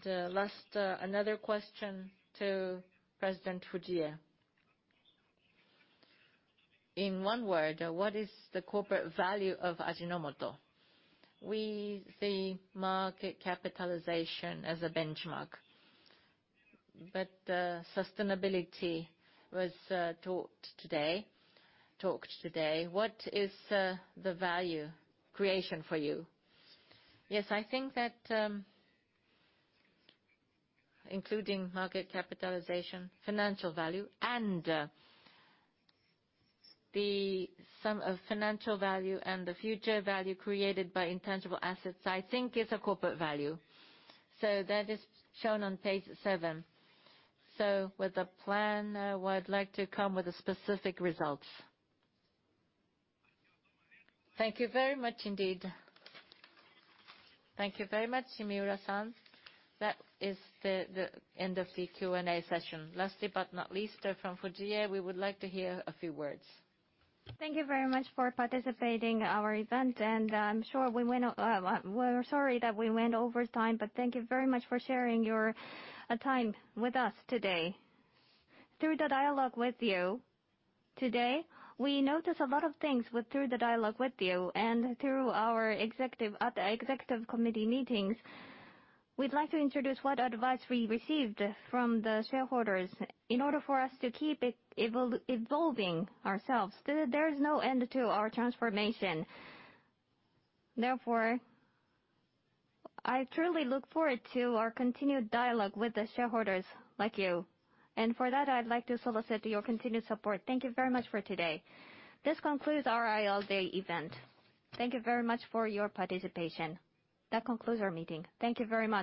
Last, another question to President Fujie. In one word, what is the corporate value of Ajinomoto? We see market capitalization as a benchmark. Sustainability was talked today. What is the value creation for you? I think that including market capitalization, financial value, and the sum of financial value and the future value created by intangible assets, I think it's a corporate value. That is shown on page seven. With the plan, I would like to come with specific results. Thank you very much indeed. Thank you very much, Shimiura San. That is the end of the Q&A session. Lastly, not least, from Fujie, we would like to hear a few words. Thank you very much for participating our event. We're sorry that we went over time, but thank you very much for sharing your time with us today. Through the dialogue with you today, we noticed a lot of things through the dialogue with you and through our executive at the executive committee meetings. We'd like to introduce what advice we received from the shareholders in order for us to keep evolving ourselves. There is no end to our transformation. Therefore, I truly look forward to our continued dialogue with the shareholders like you. For that, I'd like to solicit your continued support. Thank you very much for today. This concludes our IR Day event. Thank you very much for your participation. That concludes our meeting. Thank you very much